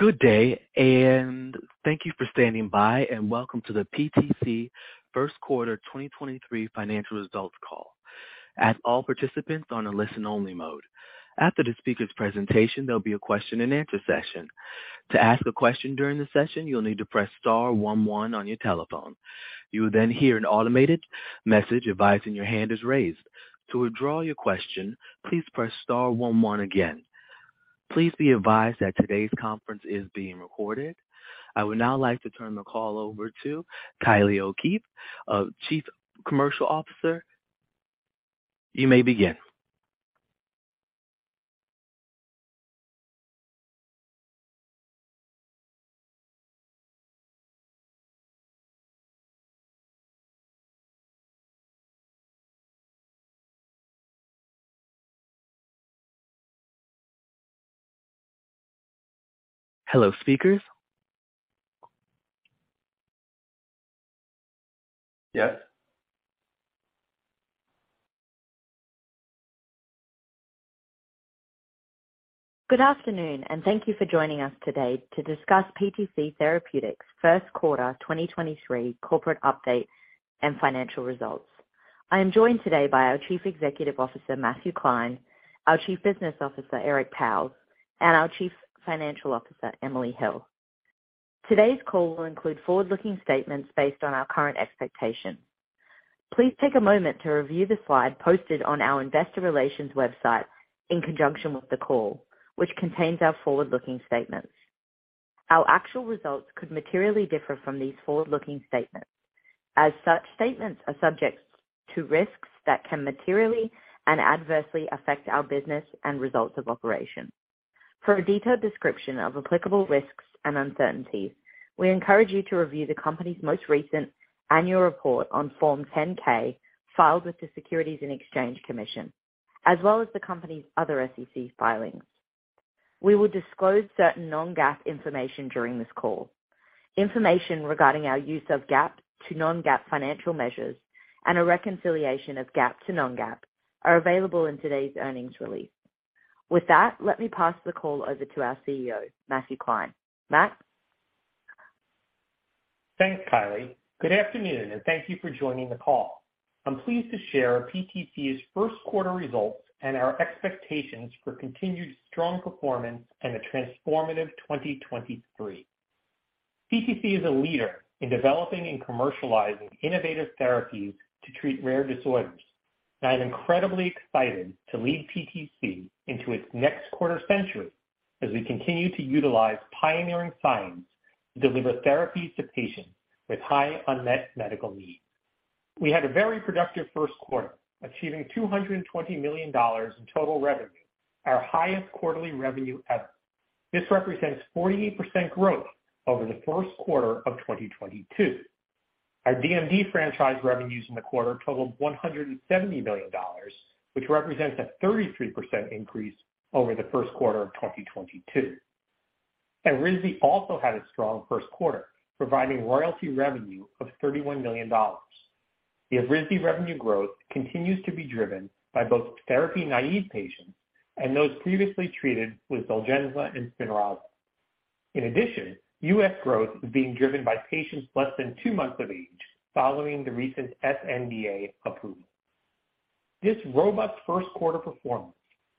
Good day. Thank you for standing by and welcome to the PTC First Quarter 2023 financial results call. As all participants are on a listen only mode. After the speaker's presentation, there'll be a question and answer session. To ask a question during the session, you'll need to press star 11 on your telephone. You will hear an automated message advising your hand is raised. To withdraw your question, please press star 11 again. Please be advised that today's conference is being recorded. I would now like to turn the call over to Kylie O'Keefe, Chief Commercial Officer. You may begin. Hello, speakers Good afternoon, thank you for joining us today to discuss PTC Therapeutics' first quarter 2023 corporate update and financial results. I am joined today by our Chief Executive Officer, Matthew Klein, our Chief Business Officer, Eric Powers, and our Chief Financial Officer, Emily Hill. Today's call will include forward-looking statements based on our current expectations. Please take a moment to review the slide posted on our investor relations website in conjunction with the call, which contains our forward-looking statements. Our actual results could materially differ from these forward-looking statements. Such statements are subject to risks that can materially and adversely affect our business and results of operation. For a detailed description of applicable risks and uncertainties, we encourage you to review the company's most recent annual report on Form 10-K filed with the Securities and Exchange Commission, as well as the company's other SEC filings. We will disclose certain non-GAAP information during this call. Information regarding our use of GAAP to non-GAAP financial measures and a reconciliation of GAAP to non-GAAP are available in today's earnings release. With that, let me pass the call over to our CEO, Matthew Klein. Matt? Thanks, Kylie. Good afternoon, thank you for joining the call. I'm pleased to share PTC's first quarter results and our expectations for continued strong performance in a transformative 2023. PTC is a leader in developing and commercializing innovative therapies to treat rare disorders. I'm incredibly excited to lead PTC into its next quarter century as we continue to utilize pioneering science to deliver therapies to patients with high unmet medical needs. We had a very productive first quarter, achieving $220 million in total revenue, our highest quarterly revenue ever. This represents 48% growth over the first quarter of 2022. Our DMD franchise revenues in the quarter totaled $170 million, which represents a 33% increase over the first quarter of 2022. Evrysdi also had a strong first quarter, providing royalty revenue of $31 million. The Evrysdi revenue growth continues to be driven by both therapy-naive patients and those previously treated with Zolgensma and SPINRAZA. In addition, U.S. growth is being driven by patients less than two months of age following the recent sNDA approval. This robust first quarter performance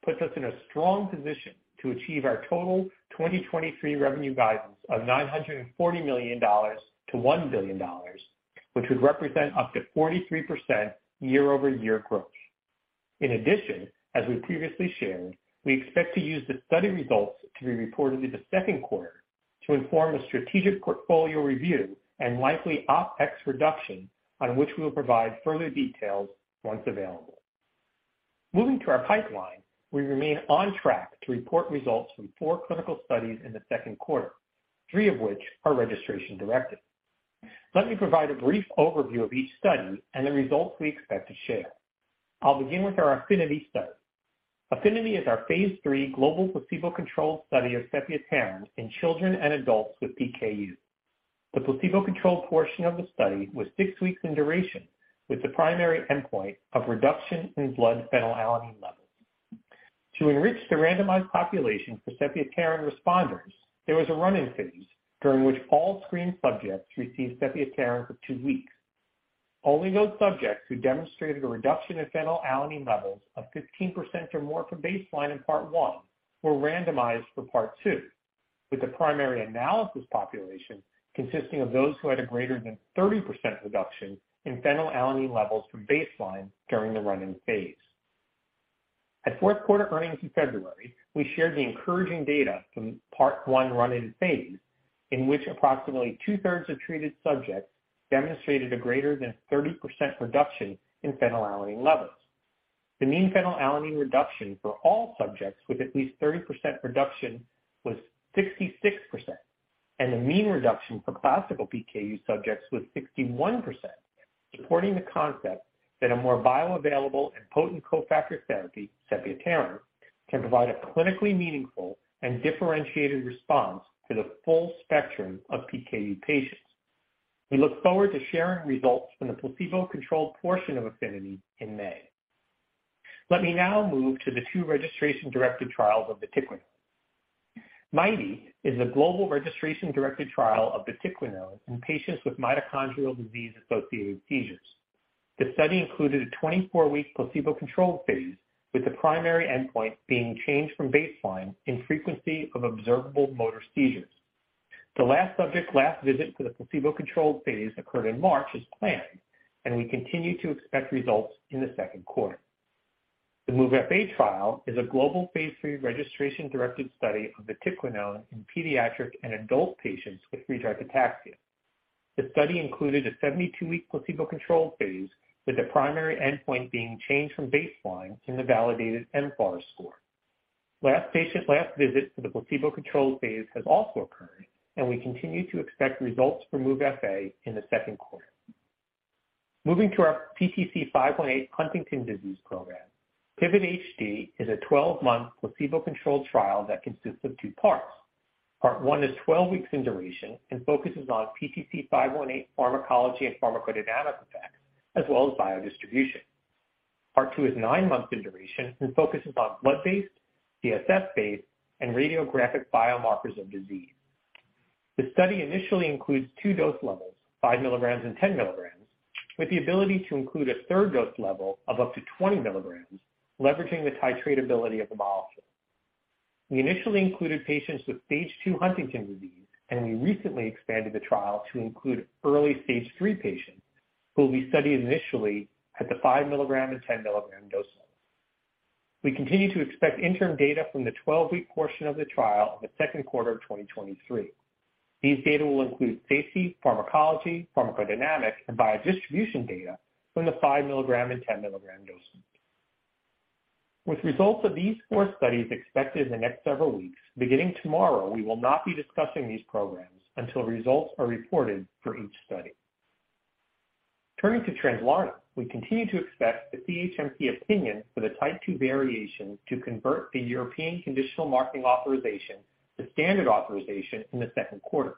puts us in a strong position to achieve our total 2023 revenue guidance of $940 million-$1 billion, which would represent up to 43% year-over-year growth. In addition, as we previously shared, we expect to use the study results to be reported in the second quarter to inform a strategic portfolio review and likely OpEx reduction on which we will provide further details once available. Moving to our pipeline, we remain on track to report results from four clinical studies in the second quarter, three of which are registration directed. Let me provide a brief overview of each study and the results we expect to share. I'll begin with our Affinity study. Affinity is our phase three global placebo-controlled study of sepiapterin in children and adults with PKU. The placebo-controlled portion of the study was six weeks in duration, with the primary endpoint of reduction in blood phenylalanine levels. To enrich the randomized population for sepiapterin responders, there was a run-in phase during which all screened subjects received sepiapterin for two weeks. Only those subjects who demonstrated a reduction in phenylalanine levels of 15% or more from baseline in part one were randomized for part two, with the primary analysis population consisting of those who had a greater than 30% reduction in phenylalanine levels from baseline during the run-in phase. At fourth quarter earnings in February, we shared the encouraging data from part one run-in phase, in which approximately two-thirds of treated subjects demonstrated a greater than 30% reduction in phenylalanine levels. The mean phenylalanine reduction for all subjects with at least 30% reduction was 66%, and the mean reduction for classical PKU subjects was 61%, supporting the concept that a more bioavailable and potent co-factor therapy, sepiapterin, can provide a clinically meaningful and differentiated response to the full spectrum of PKU patients. We look forward to sharing results from the placebo-controlled portion of Affinity in May. Let me now move to the two registration-directed trials of vatiquinone. MIT-E is a global registration-directed trial of vatiquinone in patients with mitochondrial disease-associated seizures. The study included a 24-week placebo-controlled phase, with the primary endpoint being changed from baseline in frequency of observable motor seizures. The last subject last visit to the placebo-controlled phase occurred in March as planned, and we continue to expect results in the second quarter. The MOVE-FA trial is a global phase 3 registration-directed study of vatiquinone in pediatric and adult patients with Friedreich ataxia. The study included a 72-week placebo-controlled phase, with the primary endpoint being changed from baseline in the validated mFARS score. Last patient last visit for the placebo-controlled phase has also occurred, and we continue to expect results for MOVE-FA in the second quarter. Moving to our PTC518 Huntington's disease program. PIVOT-HD is a 12-month placebo-controlled trial that consists of two parts. Part 1 is 12 weeks in duration and focuses on PTC518 pharmacology and pharmacodynamic effects, as well as biodistribution. Part 2 is nine months in duration and focuses on blood-based, CSF-based, and radiographic biomarkers of disease. The study initially includes two dose levels, 5 mg and 10 mg, with the ability to include a third dose level of up to 20 mg, leveraging the titratability of the molecule. We initially included patients with Stage 2 Huntington's disease, and we recently expanded the trial to include early Stage 3 patients who will be studied initially at the 5-mg and 10-mg dose levels. We continue to expect interim data from the 12-week portion of the trial in the second quarter of 2023. These data will include safety, pharmacology, pharmacodynamics, and biodistribution data from the 5-mg and 10-mg dosing. With results of these four studies expected in the next several weeks, beginning tomorrow, we will not be discussing these programs until results are reported for each study. Turning to Translarna, we continue to expect the CHMP opinion for the Type II variation to convert the European conditional marketing authorization to standard authorization in the second quarter.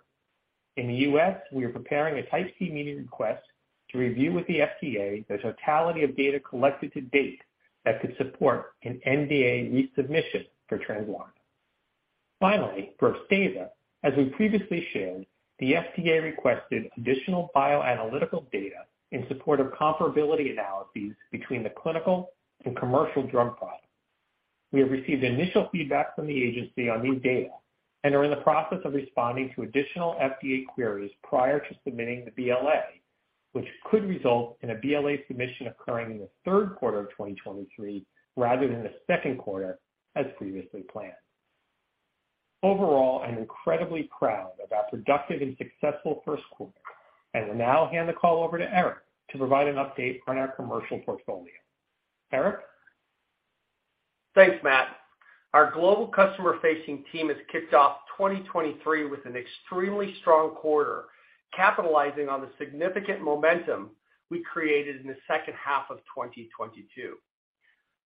In the US, we are preparing a Type C meeting request to review with the FDA the totality of data collected to date that could support an NDA resubmission for Translarna. Finally, for Upstaza, as we previously shared, the FDA requested additional bioanalytical data in support of comparability analyses between the clinical and commercial drug products. We have received initial feedback from the agency on these data and are in the process of responding to additional FDA queries prior to submitting the BLA, which could result in a BLA submission occurring in the third quarter of 2023 rather than the second quarter as previously planned. Overall, I'm incredibly proud of our productive and successful first quarter and will now hand the call over to Eric to provide an update on our commercial portfolio. Eric? Thanks, Matt. Our global customer-facing team has kicked off 2023 with an extremely strong quarter, capitalizing on the significant momentum we created in the second half of 2022.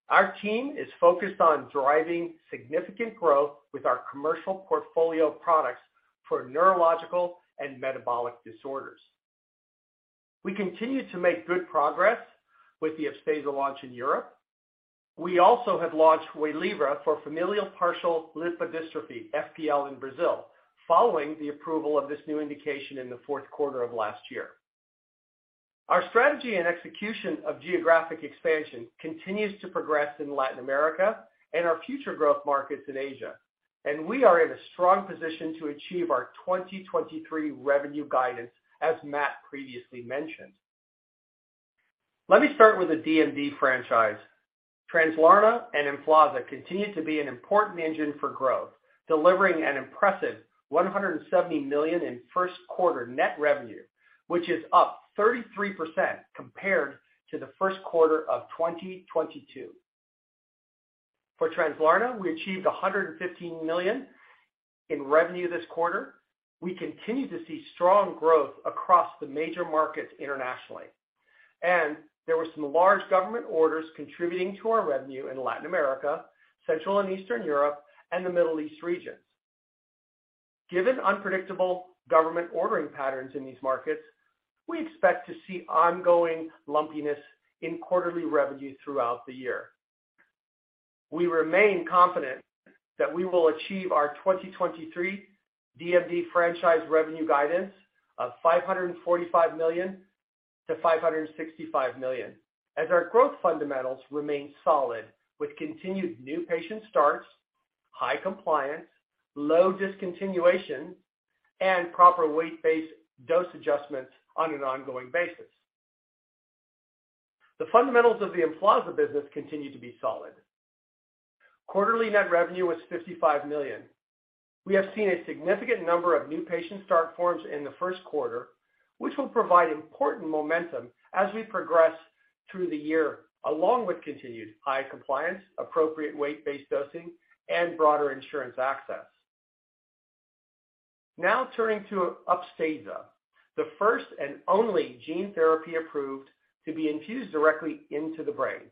Our team is focused on driving significant growth with our commercial portfolio of products for neurological and metabolic disorders. We continue to make good progress with the Upstaza launch in Europe. We also have launched Waylivra for familial partial lipodystrophy, FPL, in Brazil, following the approval of this new indication in the fourth quarter of last year. Our strategy and execution of geographic expansion continues to progress in Latin America and our future growth markets in Asia, and we are in a strong position to achieve our 2023 revenue guidance, as Matt previously mentioned. Let me start with the DMD franchise. Translarna and Emflaza continue to be an important engine for growth, delivering an impressive $170 million in 1st quarter net revenue, which is up 33% compared to the 1st quarter of 2022. For Translarna, we achieved $115 million in revenue this quarter. We continue to see strong growth across the major markets internationally, and there were some large government orders contributing to our revenue in Latin America, Central and Eastern Europe, and the Middle East regions. Given unpredictable government ordering patterns in these markets, we expect to see ongoing lumpiness in quarterly revenue throughout the year. We remain confident that we will achieve our 2023 DMD franchise revenue guidance of $545 million-$565 million as our growth fundamentals remain solid with continued new patient starts, high compliance, low discontinuation, and proper weight-based dose adjustments on an ongoing basis. The fundamentals of the Emflaza business continue to be solid. Quarterly net revenue was $55 million. We have seen a significant number of new patient start forms in the 1st quarter, which will provide important momentum as we progress through the year, along with continued high compliance, appropriate weight-based dosing, and broader insurance access. Turning to Upstaza, the first and only gene therapy approved to be infused directly into the brain.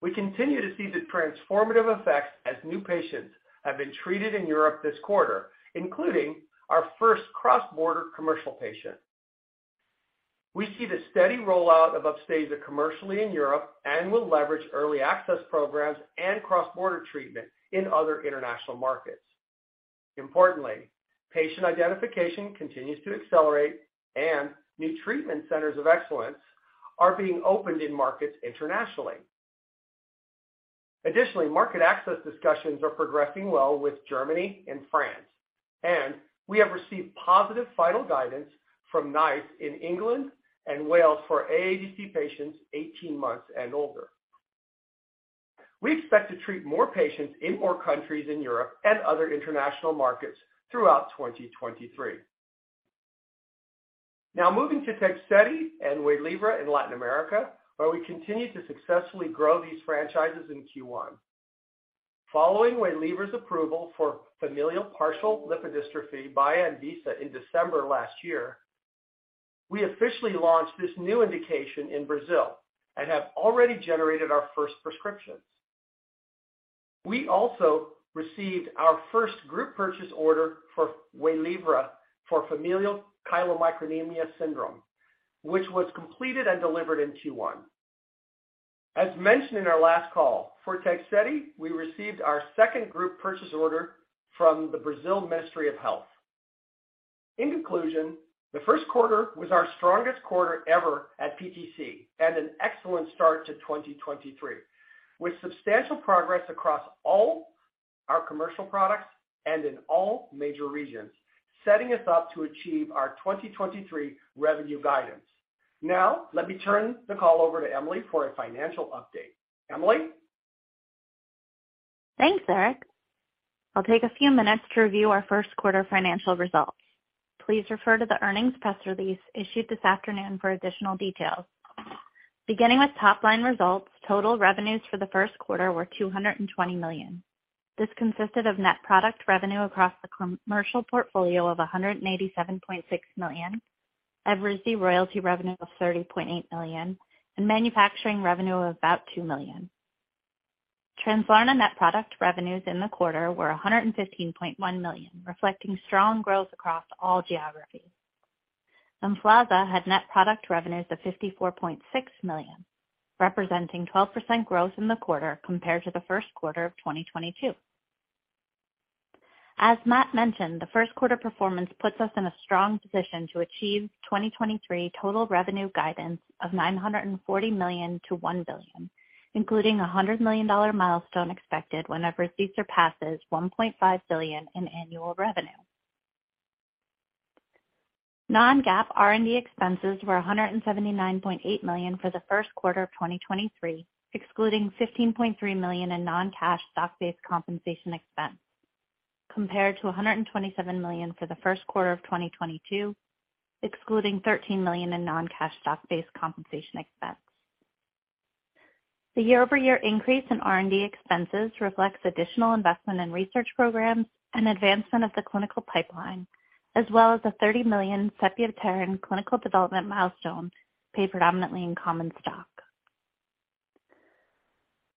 We continue to see the transformative effects as new patients have been treated in Europe this quarter, including our first cross-border commercial patient. We see the steady rollout of Upstaza commercially in Europe, and we'll leverage early access programs and cross-border treatment in other international markets. Importantly, patient identification continues to accelerate, and new treatment centers of excellence are being opened in markets internationally. Additionally, market access discussions are progressing well with Germany and France, and we have received positive final guidance from NICE in England and Wales for AADC patients 18 months and older. We expect to treat more patients in more countries in Europe and other international markets throughout 2023. Now moving to Tegsedi and Waylivra in Latin America, where we continued to successfully grow these franchises in Q1. Following Waylivra's approval for familial partial lipodystrophy by Anvisa in December last year, we officially launched this new indication in Brazil and have already generated our first prescriptions. We also received our first group purchase order for Waylivra for familial chylomicronemia syndrome, which was completed and delivered in Q1. As mentioned in our last call, for Tegsedi, we received our second group purchase order from the Brazil Ministry of Health. In conclusion, the first quarter was our strongest quarter ever at PTC and an excellent start to 2023, with substantial progress across all our commercial products and in all major regions, setting us up to achieve our 2023 revenue guidance. Let me turn the call over to Emily for a financial update. Emily? Thanks, Eric. I'll take a few minutes to review our first quarter financial results. Please refer to the earnings press release issued this afternoon for additional details. Beginning with top-line results, total revenues for the first quarter were $220 million. This consisted of net product revenue across the commercial portfolio of $187.6 million, Evrysdi royalty revenue of $30.8 million, and manufacturing revenue of about $2 million. Translarna net product revenues in the quarter were $115.1 million, reflecting strong growth across all geographies. Emflaza had net product revenues of $54.6 million, representing 12% growth in the quarter compared to the first quarter of 2022. As Matt mentioned, the first quarter performance puts us in a strong position to achieve 2023 total revenue guidance of $940 million-$1 billion, including a $100 million milestone expected whenever Evrysdi surpasses $1.5 billion in annual revenue. Non-GAAP R&D expenses were $179.8 million for the first quarter of 2023, excluding $15.3 million in non-cash stock-based compensation expense, compared to $127 million for the first quarter of 2022, excluding $13 million in non-cash stock-based compensation expense. The year-over-year increase in R&D expenses reflects additional investment in research programs and advancement of the clinical pipeline, as well as a $30 million sepiapterin clinical development milestone paid predominantly in common stock.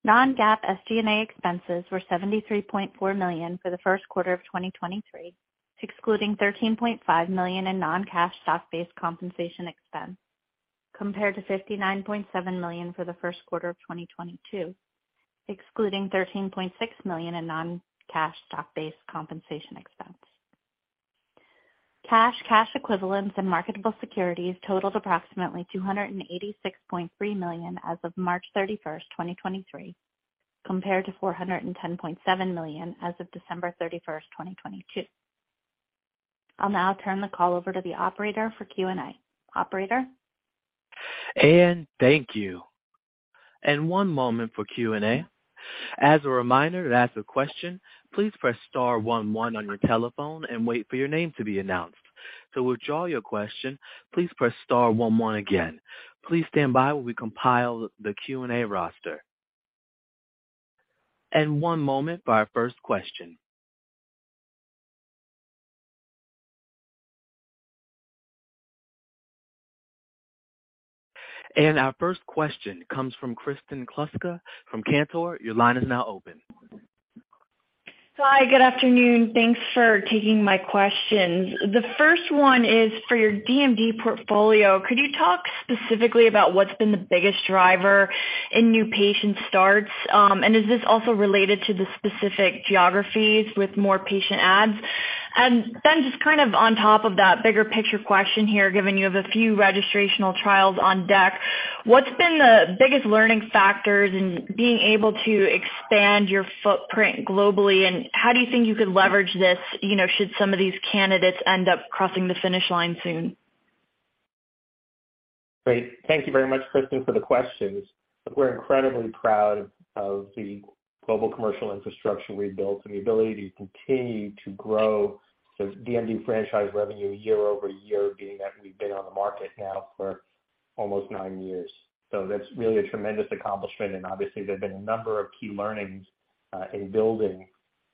Non-GAAP SG&A expenses were $73.4 million for the first quarter of 2023, excluding $13.5 million in non-cash stock-based compensation expense, compared to $59.7 million for the first quarter of 2022, excluding $13.6 million in non-cash stock-based compensation expense. Cash, cash equivalents and marketable securities totaled approximately $286.3 million as of March 31st, 2023, compared to $410.7 million as of December 31st, 2022. I'll now turn the call over to the operator for Q&A. Operator? Anne, thank you. One moment for Q&A. As a reminder, to ask a question, please press star one one on your telephone and wait for your name to be announced. To withdraw your question, please press star one one again. Please stand by while we compile the Q&A roster. One moment for our first question. Our first question comes from Kristen Kluska from Cantor. Your line is now open. Hi, good afternoon. Thanks for taking my questions. The first one is for your DMD portfolio. Could you talk specifically about what's been the biggest driver in new patient starts? And is this also related to the specific geographies with more patient adds? Just kind of on top of that bigger picture question here, given you have a few registrational trials on deck, what's been the biggest learning factors in being able to expand your footprint globally, and how do you think you could leverage this, you know, should some of these candidates end up crossing the finish line soon? Great. Thank you very much, Kristen, for the questions. We're incredibly proud of the global commercial infrastructure we built and the ability to continue to grow the DMD franchise revenue year-over-year, being that we've been on the market now for almost 9 years. That's really a tremendous accomplishment, and obviously, there have been a number of key learnings in building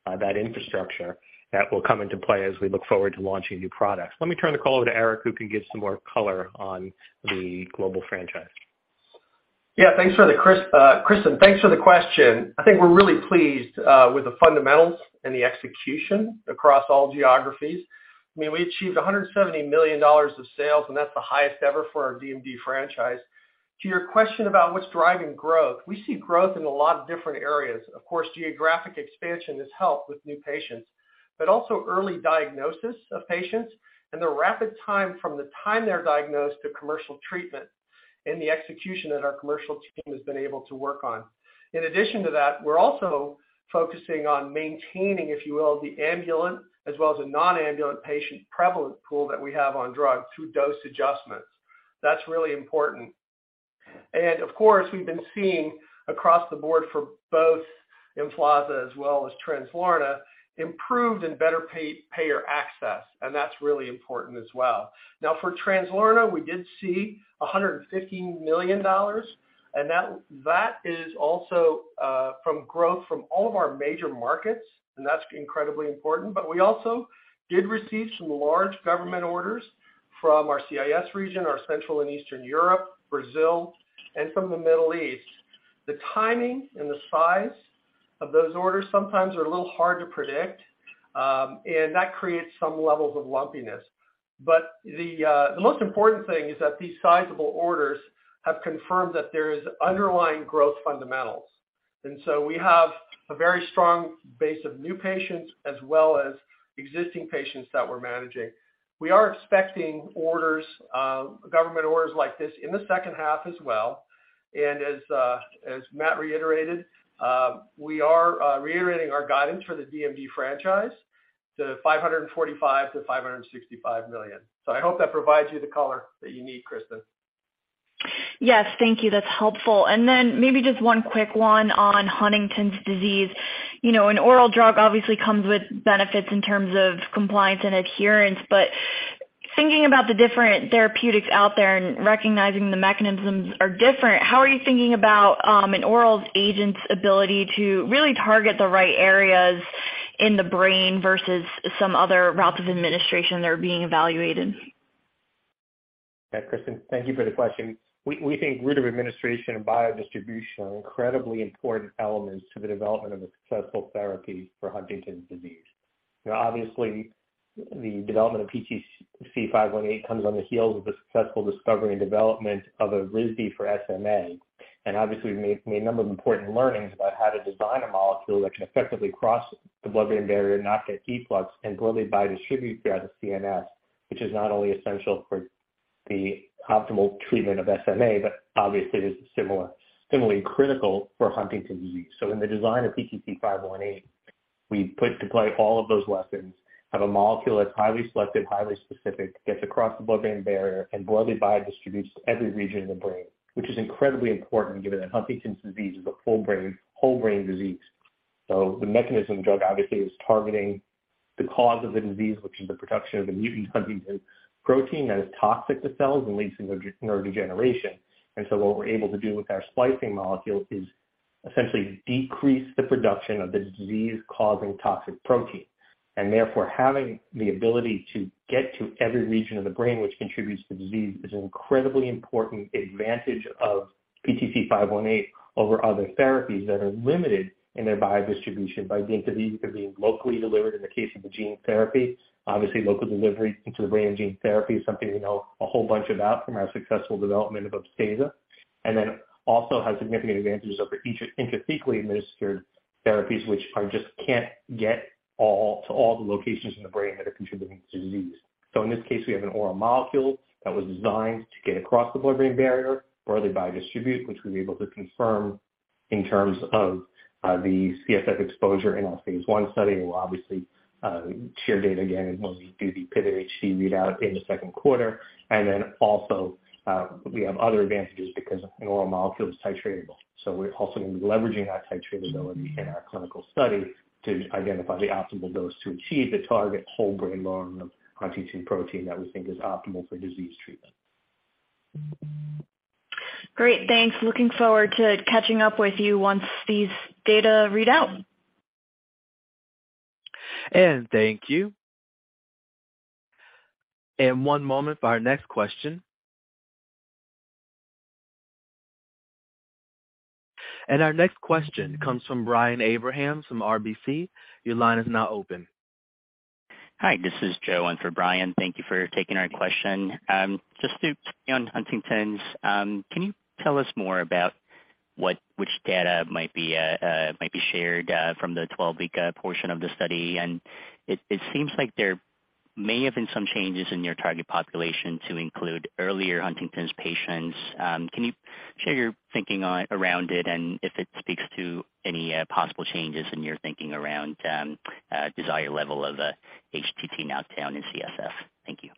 that infrastructure that will come into play as we look forward to launching new products. Let me turn the call over to Eric Powers, who can give some more color on the global franchise. Yeah, thanks for the Kristen. Thanks for the question. I think we're really pleased with the fundamentals and the execution across all geographies. I mean, we achieved $170 million of sales, that's the highest ever for our DMD franchise. To your question about what's driving growth, we see growth in a lot of different areas. Of course, geographic expansion has helped with new patients, also early diagnosis of patients and the rapid time from the time they're diagnosed to commercial treatment and the execution that our commercial team has been able to work on. In addition to that, we're also focusing on maintaining, if you will, the ambulant as well as a non-ambulant patient prevalent pool that we have on drug through dose adjustments. That's really important. Of course, we've been seeing across the board for both Emflaza as well as Translarna, improved and better pay-payer access, and that's really important as well. Now, for Translarna, we did see $115 million, and that is also from growth from all of our major markets, and that's incredibly important. We also did receive some large government orders from our CIS region, our Central and Eastern Europe, Brazil, and from the Middle East. The timing and the size of those orders sometimes are a little hard to predict, and that creates some levels of lumpiness. The most important thing is that these sizable orders have confirmed that there is underlying growth fundamentals. We have a very strong base of new patients as well as existing patients that we're managing. We are expecting orders, government orders like this in the second half as well. As Matt reiterated, we are reiterating our guidance for the DMD franchise to $545 million-$565 million. I hope that provides you the color that you need, Kristen. Yes, thank you. That's helpful. Maybe just one quick one on Huntington's disease. You know, an oral drug obviously comes with benefits in terms of compliance and adherence. Thinking about the different therapeutics out there and recognizing the mechanisms are different, how are you thinking about, an oral agent's ability to really target the right areas in the brain versus some other routes of administration that are being evaluated? Yeah. Kristen, thank you for the question. We think route of administration and biodistribution are incredibly important elements to the development of a successful therapy for Huntington's disease. You know, obviously, the development of PTC518 comes on the heels of the successful discovery and development of Evrysdi for SMA. Obviously, we've made a number of important learnings about how to design a molecule that can effectively cross the blood-brain barrier, not get effluxed, and globally biodistribute throughout the CNS, which is not only essential for the optimal treatment of SMA, but obviously is similarly critical for Huntington's disease. In the design of PTC518, we put to play all of those lessons, have a molecule that's highly selective, highly specific, gets across the blood-brain barrier and broadly biodistributes to every region of the brain, which is incredibly important given that Huntington's disease is a full brain, whole brain disease. The mechanism of the drug obviously is targeting the cause of the disease, which is the production of a mutant Huntington protein that is toxic to cells and leads to nerve degeneration. What we're able to do with our splicing molecule is essentially decrease the production of the disease-causing toxic protein. Therefore, having the ability to get to every region of the brain which contributes to disease is an incredibly important advantage of PTC518 over other therapies that are limited in their biodistribution by being either locally delivered in the case of a gene therapy. Obviously, local delivery into the brain gene therapy is something we know a whole bunch about from our successful development of Upstaza. Also has significant advantages over intrathecally administered therapies, which I just can't get to all the locations in the brain that are contributing to disease. In this case, we have an oral molecule that was designed to get across the blood-brain barrier, broadly biodistribute, which we were able to confirm in terms of the CSF exposure in our phase 1 study. We'll obviously share data again when we do the PIVOT-HD readout in the second quarter. Also, we have other advantages because an oral molecule is titratable. We're also going to be leveraging that titratability in our clinical study to identify the optimal dose to achieve the target whole brain load of huntingtin protein that we think is optimal for disease treatment. Great. Thanks. Looking forward to catching up with you once these data read out. Thank you. 1 moment for our next question. Our next question comes from Brian Abrahams from RBC. Your line is now open. Hi, this is Joe in for Brian. Thank you for taking our question. Just to keep on Huntington's, can you tell us more about what, which data might be shared from the 12-week portion of the study? It seems like there may have been some changes in your target population to include earlier Huntington's patients. Can you share your thinking on, around it and if it speaks to any possible changes in your thinking around desired level of HTT knockdown in CSF? Thank you.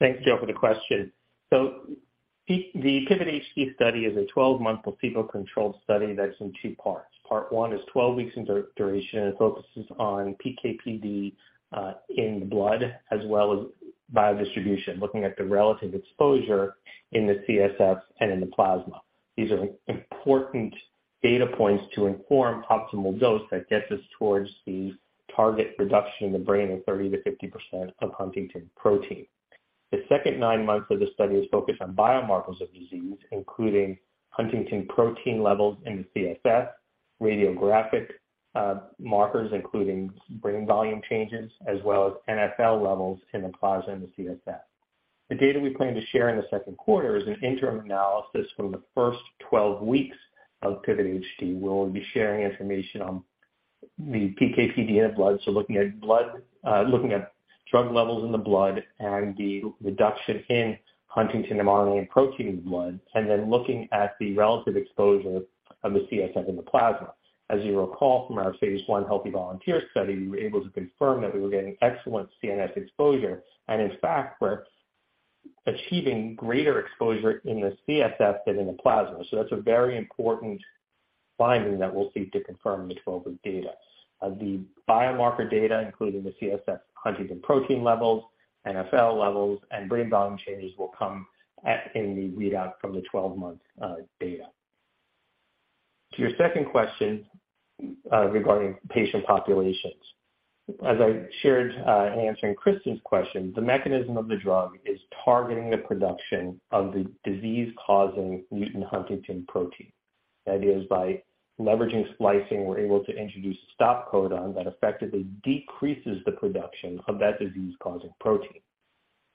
Thanks, Joe, for the question. The PIVOT-HD study is a 12-month placebo-controlled study that's in two parts. Part one is 12 weeks in duration and focuses on PK/PD in the blood as well as biodistribution, looking at the relative exposure in the CSF and in the plasma. These are important data points to inform optimal dose that gets us towards the target reduction in the brain of 30%-50% of huntingtin protein. The second 9 months of the study is focused on biomarkers of disease, including huntingtin protein levels in the CSF, radiographic markers, including brain volume changes, as well as NFL levels in the plasma and the CSF. The data we plan to share in the second quarter is an interim analysis from the first 12 weeks of PIVOT-HD. We'll be sharing information on the PK/PD in blood, so looking at blood, looking at drug levels in the blood and the reduction in huntingtin protein in blood, and then looking at the relative exposure of the CSF in the plasma. As you recall from our phase I healthy volunteer study, we were able to confirm that we were getting excellent CNS exposure, and in fact, we're achieving greater exposure in the CSF than in the plasma. So that's a very important finding that we'll seek to confirm in the 12-week data. The biomarker data, including the CSF huntingtin protein levels, NFL levels, and brain volume changes, will come at in the readout from the 12-month data. To your second question, regarding patient populations. As I shared, in answering Kristen's question, the mechanism of the drug is targeting the production of the disease-causing mutant huntingtin protein. The idea is by leveraging splicing, we're able to introduce a stop codon that effectively decreases the production of that disease-causing protein.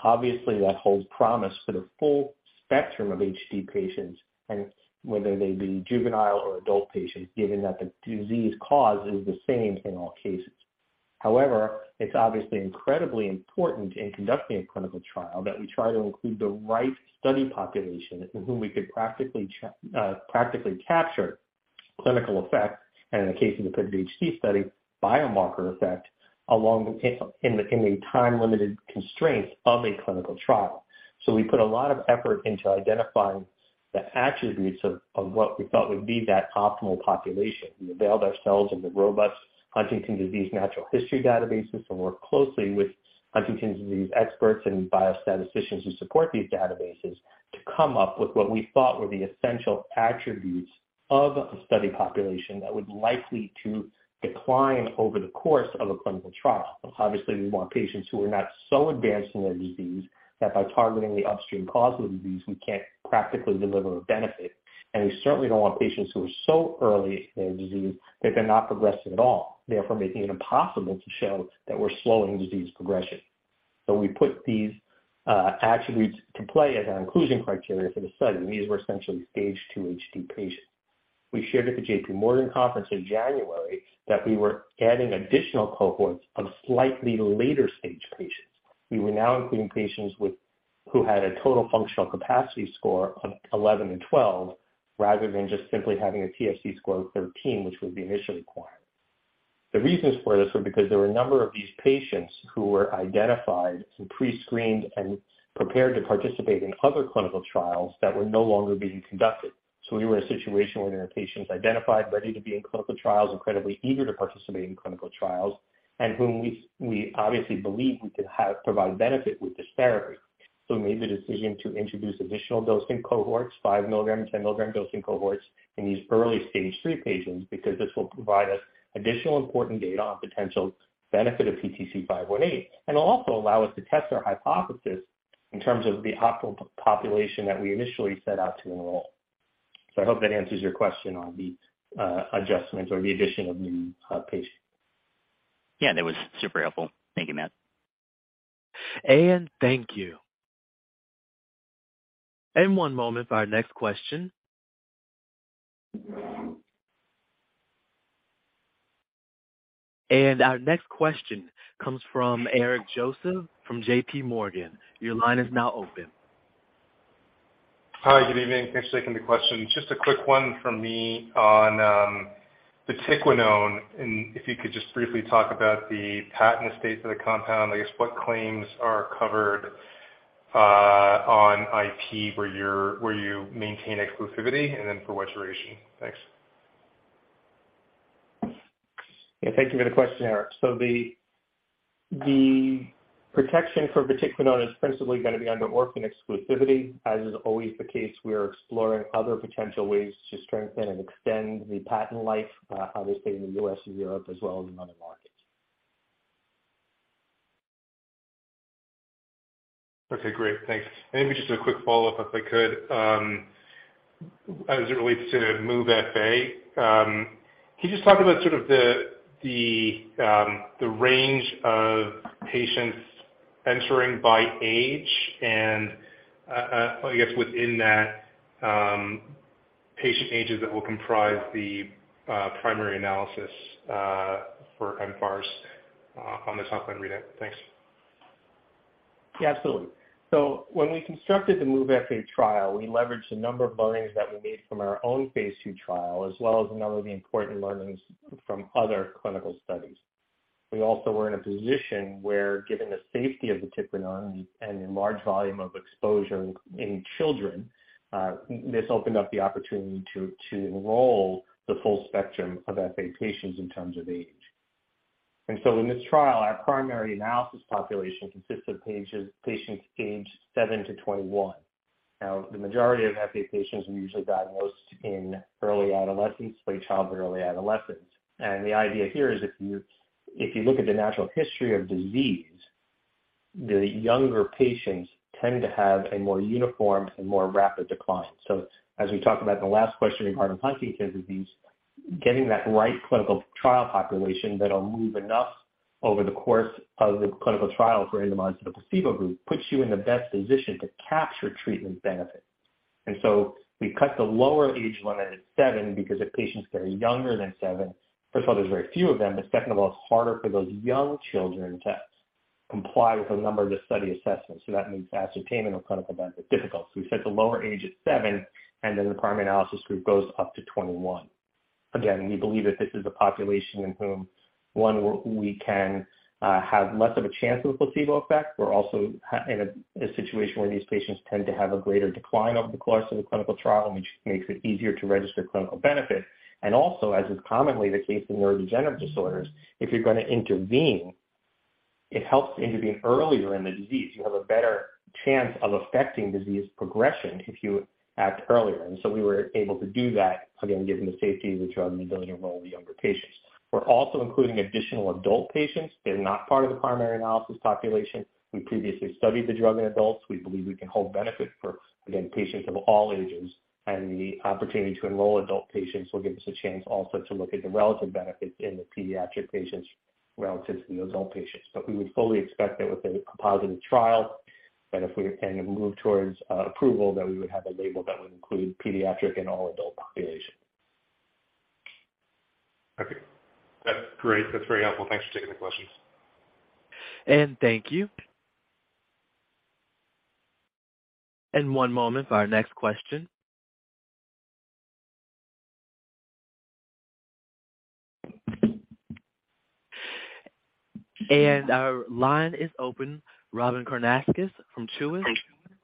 Obviously, that holds promise for the full spectrum of HD patients and whether they be juvenile or adult patients, given that the disease cause is the same in all cases. However, it's obviously incredibly important in conducting a clinical trial that we try to include the right study population in whom we could practically capture clinical effect, and in the case of the PIVOT-HD study, biomarker effect, along in a time-limited constraint of a clinical trial. So we put a lot of effort into identifying the attributes of what we thought would be that optimal population. We availed ourselves of the robust Huntington's disease natural history databases and worked closely with Huntington's disease experts and biostatisticians who support these databases to come up with what we thought were the essential attributes of a study population that was likely to decline over the course of a clinical trial. Obviously, we want patients who are not so advanced in their disease, that by targeting the upstream cause of the disease, we can't practically deliver a benefit. We certainly don't want patients who are so early in their disease that they're not progressing at all, therefore making it impossible to show that we're slowing disease progression. We put these attributes to play as our inclusion criteria for the study, and these were essentially stage two HD patients. We shared at the J.P. Morgan conference in January that we were adding additional cohorts of slightly later-stage patients. We were now including patients who had a total functional capacity score of 11 and 12, rather than just simply having a TFC score of 13, which was the initial requirement. The reasons for this were because there were a number of these patients who were identified and pre-screened and prepared to participate in other clinical trials that were no longer being conducted. We were in a situation where there are patients identified, ready to be in clinical trials, incredibly eager to participate in clinical trials, and whom we obviously believe we could have provide benefit with this therapy. We made the decision to introduce additional dosing cohorts, 5 mg, 10 mg dosing cohorts in these early phase three patients because this will provide us additional important data on potential benefit of PTC518. It'll also allow us to test our hypothesis in terms of the optimal population that we initially set out to enroll. I hope that answers your question on the adjustment or the addition of new patients. Yeah, that was super helpful. Thank you, Matt. Ayan, thank you. One moment for our next question. Our next question comes from Eric Joseph, from J.P. Morgan. Your line is now open. Hi. Good evening. Thanks for taking the question. Just a quick one from me on, vatiquinone, if you could just briefly talk about the patent estate for the compound, I guess what claims are covered, on IP, where you maintain exclusivity, and then for what duration? Thanks. Yeah. Thank you for the question, Eric. The protection for vatiquinone is principally gonna be under orphan exclusivity. As is always the case, we are exploring other potential ways to strengthen and extend the patent life, obviously in the U.S. and Europe as well as in other markets. Okay. Great. Thanks. Maybe just a quick follow-up, if I could. As it relates to MOVE-FA, can you just talk about sort of the range of patients entering by age and I guess within that, patient ages that will comprise the primary analysis for mFARS on this upfront readout? Thanks. Yeah, absolutely. When we constructed the MOVE-FA trial, we leveraged a number of learnings that we made from our own phase 2 trial, as well as a number of the important learnings from other clinical studies. We also were in a position where, given the safety of vatiquinone and the large volume of exposure in children, this opened up the opportunity to enroll the full spectrum of FA patients in terms of age. In this trial, our primary analysis population consists of patients aged 7-21. The majority of FA patients are usually diagnosed in early adolescence, late childhood, early adolescence. The idea here is if you look at the natural history of disease, the younger patients tend to have a more uniform and more rapid decline. As we talked about in the last question regarding Huntington's disease, getting that right clinical trial population that'll move enough over the course of the clinical trial for randomized and the placebo group, puts you in the best position to capture treatment benefit. We cut the lower age limit at seven because if patients that are younger than seven, first of all, there's very few of them. Second of all, it's harder for those young children to comply with a number of the study assessments. That makes ascertainment of clinical benefit difficult. We set the lower age at seven, and then the primary analysis group goes up to 21. We believe that this is a population in whom, one, we can have less of a chance of a placebo effect. We're also in a situation where these patients tend to have a greater decline over the course of the clinical trial, which makes it easier to register clinical benefit. Also, as is commonly the case in neurodegenerative disorders, if you're gonna intervene, it helps to intervene earlier in the disease. You have a better chance of affecting disease progression if you act earlier. So we were able to do that, again, given the safety of the drug and the ability to enroll the younger patients. We're also including additional adult patients. They're not part of the primary analysis population. We previously studied the drug in adults. We believe we can hold benefit for, again, patients of all ages, and the opportunity to enroll adult patients will give us a chance also to look at the relative benefits in the pediatric patients relative to the adult patients. We would fully expect that with a positive trial, that if we can move towards approval, that we would have a label that would include pediatric and all adult populations. Okay. That's great. That's very helpful. Thanks for taking the questions. Thank you. One moment for our next question. Our line is open. Robyn Karnauskas from Truist.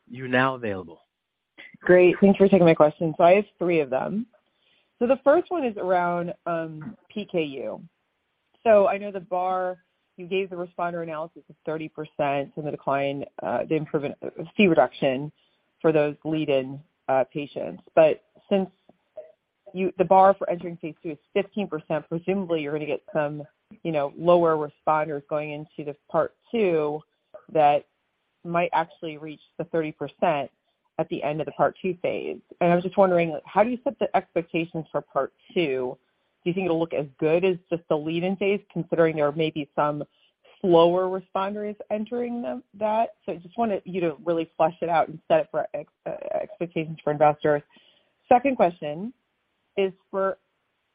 You're now available. Great. Thanks for taking my question. I have three of them. The first one is around PKU. I know the bar you gave the responder analysis of 30% and the decline, the C reduction for those lead-in patients. Since the bar for entering Phase 2 is 15%, presumably you're going to get some, you know, lower responders going into this Part 2 that might actually reach the 30% at the end of the Part 2 phase. I was just wondering, how do you set the expectations for Part 2? Do you think it will look as good as just the lead-in phase, considering there may be some slower responders entering that? I just wanted you to really flesh it out and set it for expectations for investors. Second question is for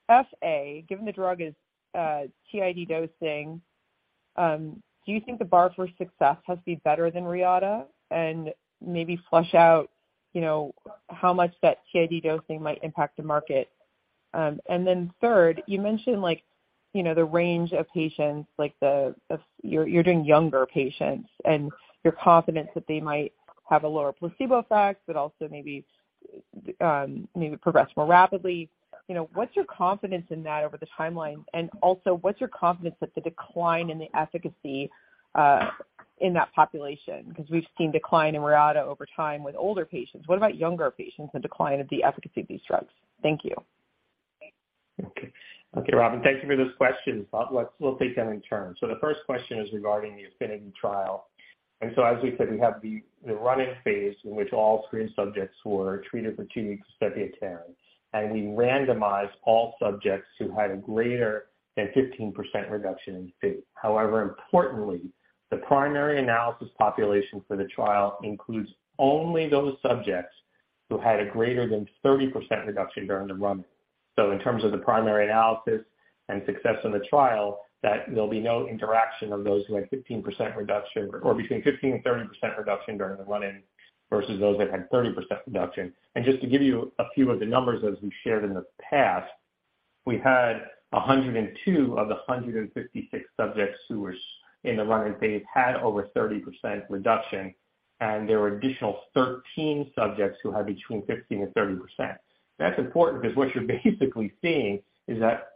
FA. Given the drug is, TID dosing, do you think the bar for success has to be better than Reata? Maybe flesh out, you know, how much that TID dosing might impact the market. Then third, you mentioned like, you know, the range of patients, like you're doing younger patients, and you're confident that they might have a lower placebo effect, but also maybe progress more rapidly. You know, what's your confidence in that over the timeline? Also, what's your confidence that the decline in the efficacy in that population? Because we've seen decline in Reata over time with older patients. What about younger patients and decline of the efficacy of these drugs? Thank you. Okay. Okay, Robyn, thank you for those questions. We'll take them in turn. The first question is regarding the Affinity trial. As we said, we have the run-in phase in which all screen subjects were treated for two weeks study attendance. We randomized all subjects who had a greater than 15% reduction in fit. However, importantly, the primary analysis population for the trial includes only those subjects who had a greater than 30% reduction during the run-in. In terms of the primary analysis and success in the trial, that there'll be no interaction of those who had 15% reduction or between 15% and 30% reduction during the run-in versus those that had 30% reduction. Just to give you a few of the numbers as we've shared in the past, we had 102 of the 156 subjects who were in the run-in phase, had over 30% reduction, and there were additional 13 subjects who had between 15% and 30%. That's important because what you're basically seeing is that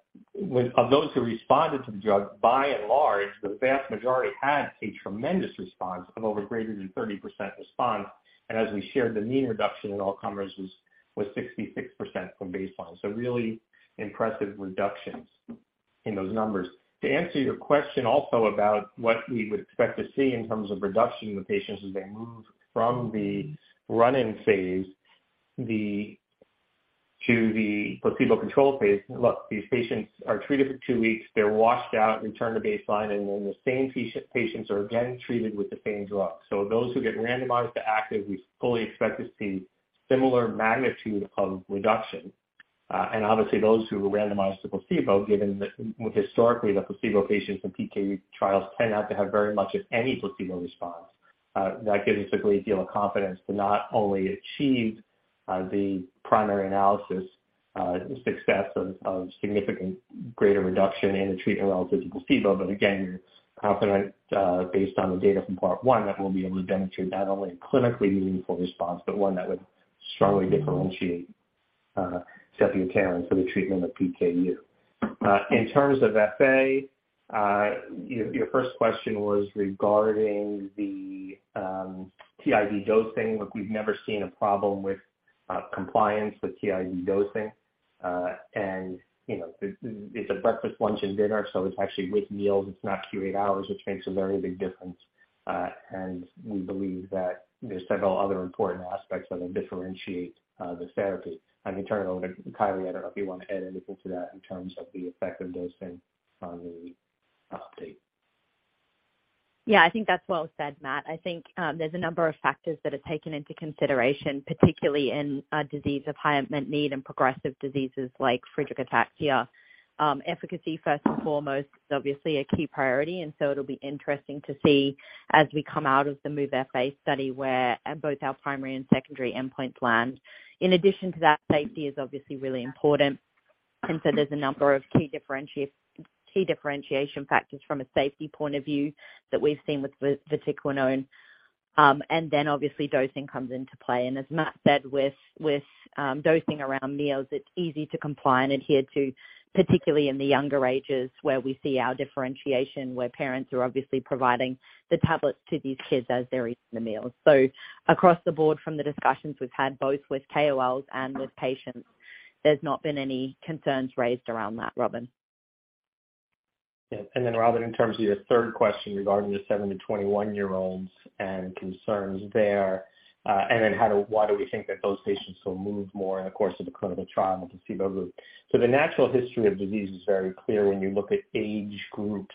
of those who responded to the drug, by and large, the vast majority had a tremendous response of over greater than 30% response. As we shared, the mean reduction in all comers was 66% from baseline. Really impressive reductions in those numbers. To answer your question also about what we would expect to see in terms of reduction in the patients as they move from the run-in phase to the placebo-control phase. Look, these patients are treated for two weeks. They're washed out, return to baseline, then the same patients are again treated with the same drug. Those who get randomized to active, we fully expect to see similar magnitude of reduction. Obviously those who were randomized to placebo, given with historically, the placebo patients in PKU trials tend not to have very much of any placebo response. That gives us a great deal of confidence to not only achieve the primary analysis success of significant greater reduction in the treatment relative to placebo. Again, we're confident, based on the data from Part One that we'll be able to demonstrate not only a clinically meaningful response, but one that would strongly differentiate. Sepiapterin for the treatment of PKU. In terms of FA, your first question was regarding the TID dosing. Look, we've never seen a problem with compliance with TID dosing. You know, it's a breakfast, lunch, and dinner, so it's actually with meals, it's not Q8 hours, which makes a very big difference. We believe that there's several other important aspects that will differentiate this therapy. I can turn it over to Kylie. I don't know if you want to add anything to that in terms of the effect of dosing on the update. Yeah. I think that's well said, Matt. I think there's a number of factors that are taken into consideration, particularly in a disease of high unmet need and progressive diseases like Friedreich ataxia. Efficacy first and foremost is obviously a key priority. It'll be interesting to see as we come out of the MOVE-FA study where both our primary and secondary endpoints land. In addition to that, safety is obviously really important. There's a number of key differentiation factors from a safety point of view that we've seen with vatiquinone. Obviously dosing comes into play. As Matt said, with dosing around meals, it's easy to comply and adhere to, particularly in the younger ages where we see our differentiation, where parents are obviously providing the tablets to these kids as they're eating the meals. across the board from the discussions we've had, both with KOLs and with patients, there's not been any concerns raised around that, Robyn. Yeah. Robyn, in terms of your third question regarding the 7-21-year-olds and concerns there, and then why do we think that those patients will move more in the course of the clinical trial with the placebo group. The natural history of disease is very clear when you look at age groups,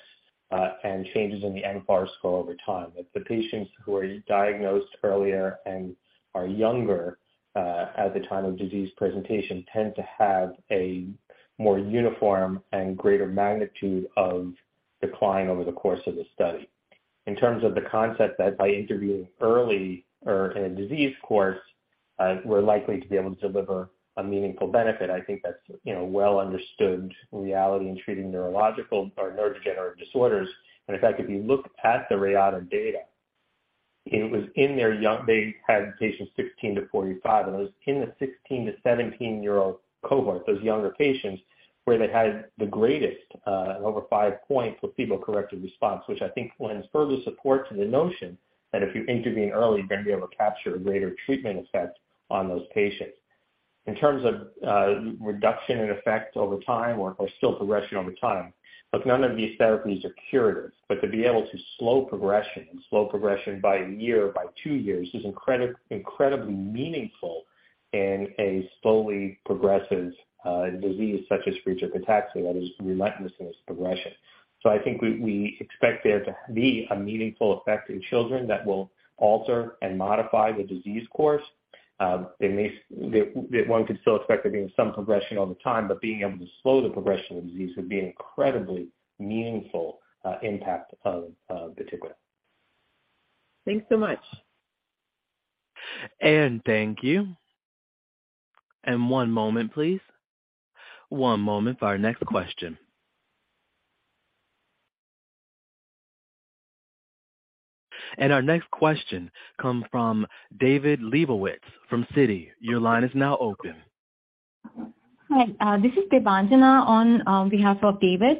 and changes in the mFARS score over time, that the patients who are diagnosed earlier and are younger, at the time of disease presentation tend to have a more uniform and greater magnitude of decline over the course of the study. In terms of the concept that by intervening early or in a disease course, we're likely to be able to deliver a meaningful benefit. I think that's, you know, well understood reality in treating neurological or neurodegenerative disorders. In fact, if you look at the Reata data, it was in their patients 16-45, and it was in the 16-17-year-old cohort, those younger patients, where they had the greatest over five points with placebo-corrected response, which I think lends further support to the notion that if you intervene early, you're going to be able to capture a greater treatment effect on those patients. In terms of reduction in effect over time or still progression over time. Look, none of these therapies are curative, but to be able to slow progression and slow progression by a year, by two years is incredibly meaningful in a slowly progressive disease such as Friedreich ataxia that is relentless in its progression. I think we expect there to be a meaningful effect in children that will alter and modify the disease course. one could still expect there being some progression over time, but being able to slow the progression of the disease would be an incredibly meaningful impact of vatiquinone. Thanks so much. Thank you. One moment please. One moment for our next question. Our next question comes from David Lebowitz from Citi. Your line is now open. Hi. This is Debanjana on behalf of David.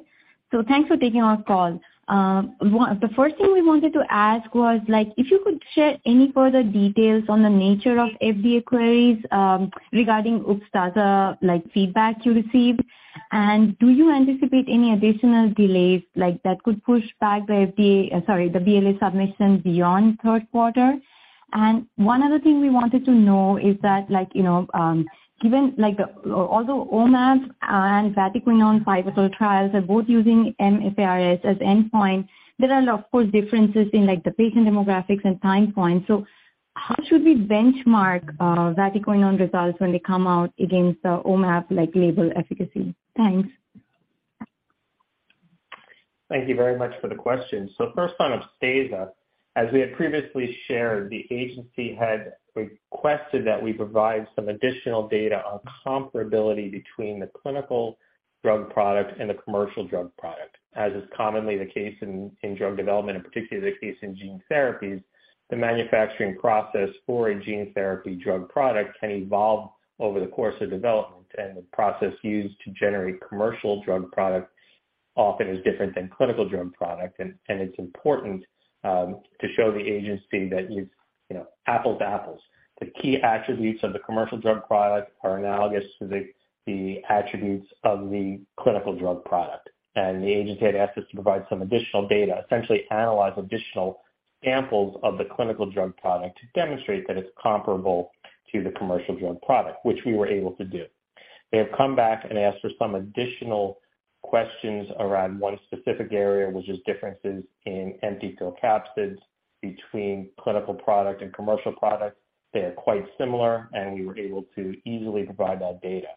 Thanks for taking our call. The first thing we wanted to ask was, like, if you could share any further details on the nature of FDA queries, regarding Upstaza, like, feedback you received, and do you anticipate any additional delays, like, that could push back the FDA, sorry, the BLA submission beyond third quarter? One other thing we wanted to know is that, like, you know, given like although omaveloxolone and vatiquinone 50 trials are both using mFARS as endpoint, there are, of course, differences in, like, the patient demographics and time points. How should we benchmark vatiquinone results when they come out against the omaveloxolone, like, label efficacy? Thanks. Thank you very much for the question. First on Upstaza, as we had previously shared, the agency had requested that we provide some additional data on comparability between the clinical drug product and the commercial drug product, as is commonly the case in drug development, particularly the case in gene therapies. The manufacturing process for a gene therapy drug product can evolve over the course of development, the process used to generate commercial drug products often is different than clinical drug product. It's important, to show the agency that you've, you know, apples to apples. The key attributes of the commercial drug product are analogous to the attributes of the clinical drug product. The FDA had asked us to provide some additional data, essentially analyze additional samples of the clinical drug product to demonstrate that it's comparable to the commercial drug product, which we were able to do. They have come back and asked for some additional questions around one specific area, which is differences in empty viral capsids between clinical product and commercial product. They are quite similar, and we were able to easily provide that data.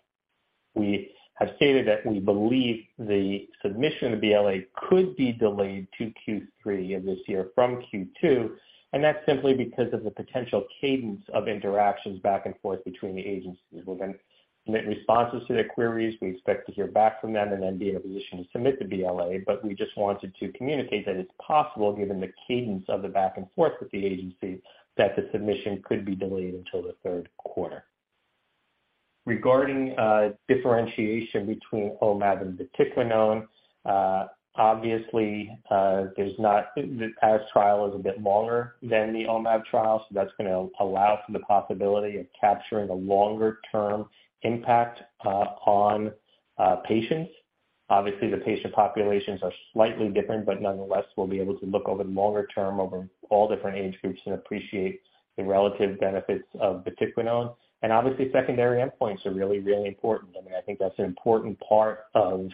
We have stated that we believe the submission of BLA could be delayed to Q3 of this year from Q2, and that's simply because of the potential cadence of interactions back and forth between the agencies. We're gonna submit responses to their queries. We expect to hear back from them and then be in a position to submit the BLA. We just wanted to communicate that it's possible, given the cadence of the back and forth with the agency, that the submission could be delayed until the third quarter. Regarding differentiation between omaveloxolone and vatiquinone, obviously, The PAS trial is a bit longer than the omaveloxolone trial, so that's gonna allow for the possibility of capturing a longer-term impact on patients. Obviously, the patient populations are slightly different, but nonetheless, we'll be able to look over the longer term over all different age groups and appreciate the relative benefits of vatiquinone. Obviously, secondary endpoints are really, really important. I mean, I think that's an important part of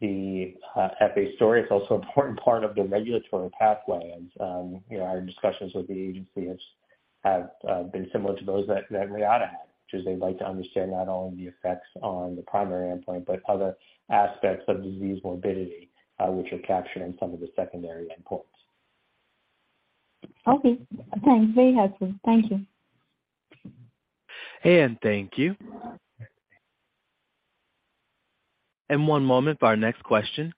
the FA story. It's also an important part of the regulatory pathway. You know, our discussions with the agency have been similar to those that Reata had, which is they'd like to understand not only the effects on the primary endpoint, but other aspects of disease morbidity, which are captured in some of the secondary endpoints. Okay. Thanks. Very helpful. Thank you. Thank you. One moment for our next question.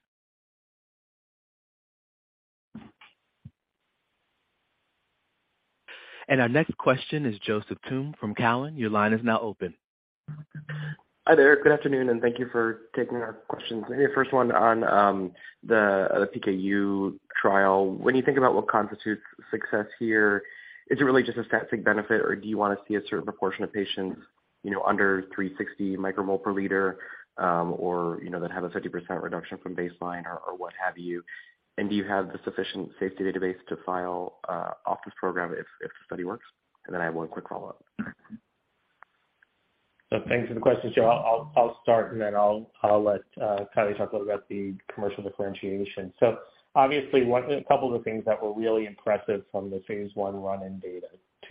Our next question is Joseph Thomae from Cowen. Your line is now open. Hi there. Good afternoon, and thank you for taking our questions. Maybe the first one on the PKU trial. When you think about what constitutes success here, is it really just a statistic benefit, or do you wanna see a certain proportion of patients, you know, under 360 micromole per liter, or, you know, that have a 50% reduction from baseline or what have you? Do you have the sufficient safety database to file office program if the study works? Then I have one quick follow-up. Thanks for the question, Joe. I'll start, and then I'll let Kylie talk a little about the commercial differentiation. Obviously, a couple of the things that were really impressive from the phase one run-in data.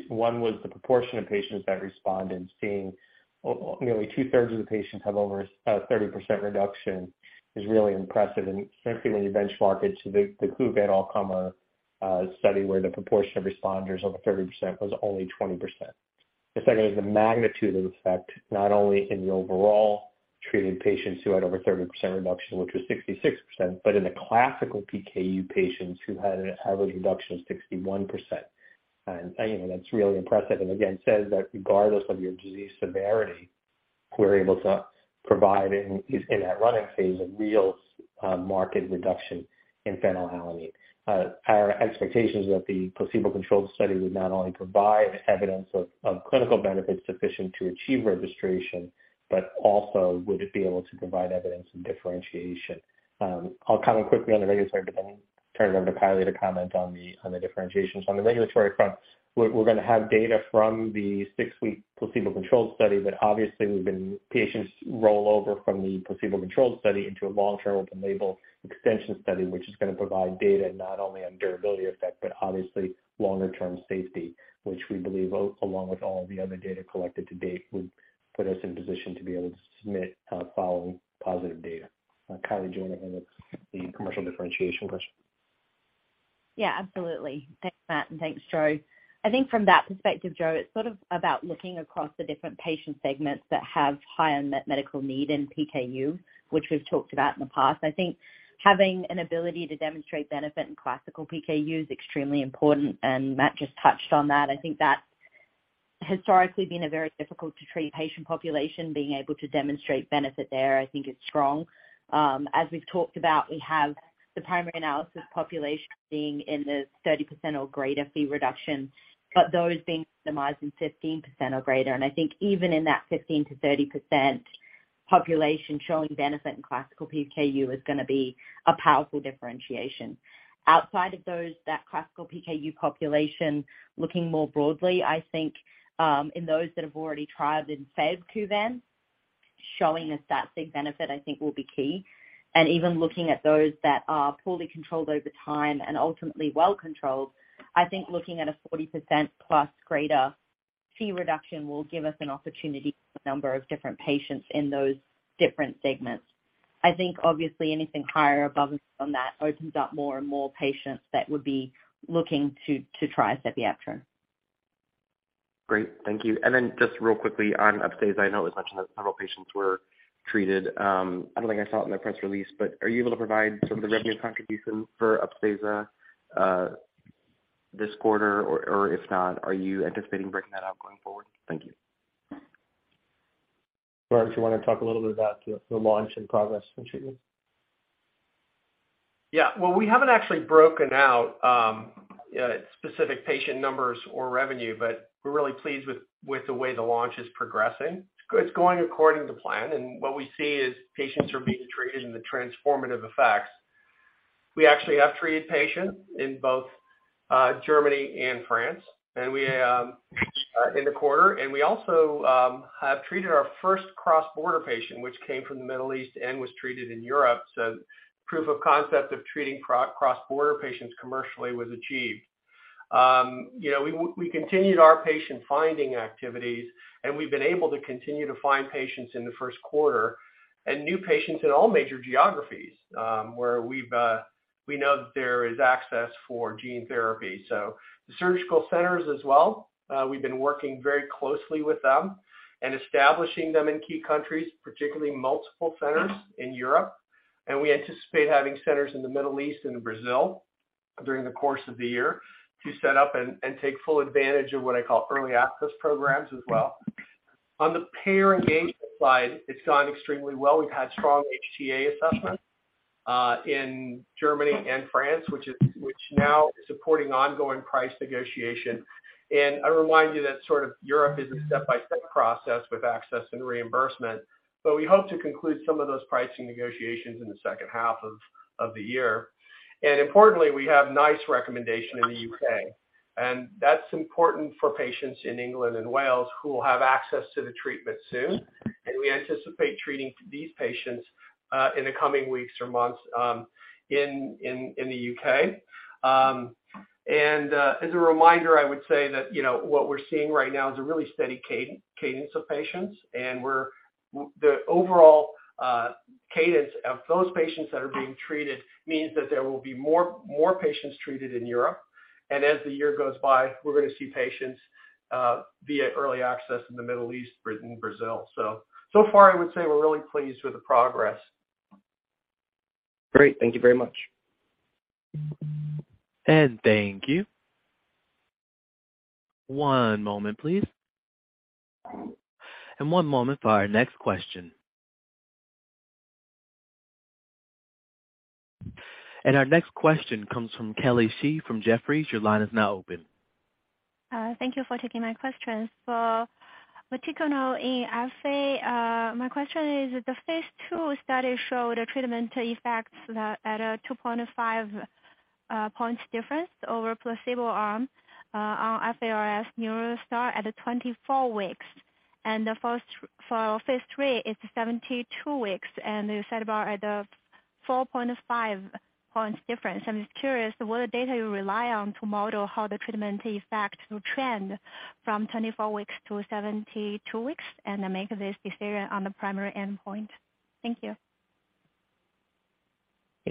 One was the proportion of patients that responded, seeing nearly two-thirds of the patients have over 30% reduction is really impressive, and particularly when you benchmark it to the Kuvan all-comer study where the proportion of responders over 30% was only 20%. The second is the magnitude of effect, not only in the overall treated patients who had over 30% reduction, which was 66%, but in the classical PKU patients who had an average reduction of 61%. You know, that's really impressive. Again, says that regardless of your disease severity, we're able to provide in that running phase, a real market reduction in phenylalanine. Our expectations that the placebo-controlled study would not only provide evidence of clinical benefit sufficient to achieve registration, but also would it be able to provide evidence and differentiation. I'll comment quickly on the regulatory, then turn it over to Kylie to comment on the differentiation. On the regulatory front, we're gonna have data from the 6-week placebo-controlled study, obviously, we've been patients roll over from the placebo-controlled study into a long-term open label extension study, which is gonna provide data not only on durability effect, obviously longer-term safety, which we believe along with all the other data collected to date, would put us in position to be able to submit following positive data. Kylie, do you wanna handle the commercial differentiation question? Yeah, absolutely. Thanks, Matt, and thanks, Joe. I think from that perspective, Joe, it's sort of about looking across the different patient segments that have higher met-medical need in PKU, which we've talked about in the past. I think having an ability to demonstrate benefit in classical PKU is extremely important, and Matt just touched on that. I think that's historically been a very difficult to treat patient population. Being able to demonstrate benefit there, I think is strong. As we've talked about, we have the primary analysis population being in the 30% or greater Phe reduction, but those being minimized in 15% or greater. I think even in that 15%-30% population showing benefit in classical PKU is gonna be a powerful differentiation. Outside of those, that classical PKU population, looking more broadly, I think, in those that have already trialed in fav Kuvan, showing a statistic benefit, I think will be key. Even looking at those that are poorly controlled over time and ultimately well controlled, I think looking at a 40% plus greater Phe reduction will give us an opportunity for a number of different patients in those different segments. I think obviously anything higher above and from that opens up more and more patients that would be looking to try sepiapterin. Great. Thank you. Just real quickly on Upstaza. I know it was mentioned that several patients were treated. I don't think I saw it in the press release, but are you able to provide some of the revenue contribution for Upstaza this quarter? If not, are you anticipating breaking that out going forward? Thank you. George, you wanna talk a little bit about the launch and progress in treatment? Yeah. Well, we haven't actually broken out specific patient numbers or revenue, but we're really pleased with the way the launch is progressing. It's going according to plan, and what we see is patients are being treated and the transformative effects. We actually have treated patients in both Germany and France, and we in the quarter. We also have treated our first cross-border patient, which came from the Middle East and was treated in Europe. Proof of concept of treating cross-border patients commercially was achieved. You know, we continued our patient finding activities, and we've been able to continue to find patients in the first quarter and new patients in all major geographies, where we've we know that there is access for gene therapy. The surgical centers as well, we've been working very closely with them and establishing them in key countries, particularly multiple centers in Europe. We anticipate having centers in the Middle East and Brazil. During the course of the year to set up and take full advantage of what I call early access programs as well. On the payer engagement side, it's gone extremely well. We've had strong HTA assessments in Germany and France, which now is supporting ongoing price negotiation. I remind you that sort of Europe is a step-by-step process with access and reimbursement, but we hope to conclude some of those pricing negotiations in the second half of the year. Importantly, we have NICE recommendation in the UK, and that's important for patients in England and Wales who will have access to the treatment soon. We anticipate treating these patients in the coming weeks or months in the UK. As a reminder, I would say that, you know, what we're seeing right now is a really steady cadence of patients. The overall cadence of those patients that are being treated means that there will be more patients treated in Europe. As the year goes by, we're gonna see patients via early access in the Middle East, Brazil. So far I would say we're really pleased with the progress. Great. Thank you very much. Thank you. One moment, please. One moment for our next question. Our next question comes from Kelly Shi from Jefferies. Your line is now open. Thank you for taking my questions. Particular in FA, my question is, the phase 2 study showed a treatment effect at a 2.5 point difference over placebo arm, on mFARS at 24 weeks. For phase 3, it's 72 weeks, and you said about at a 4.5 points difference. I'm just curious, what data you rely on to model how the treatment effect will trend from 24 weeks to 72 weeks, and then make this decision on the primary endpoint. Thank you.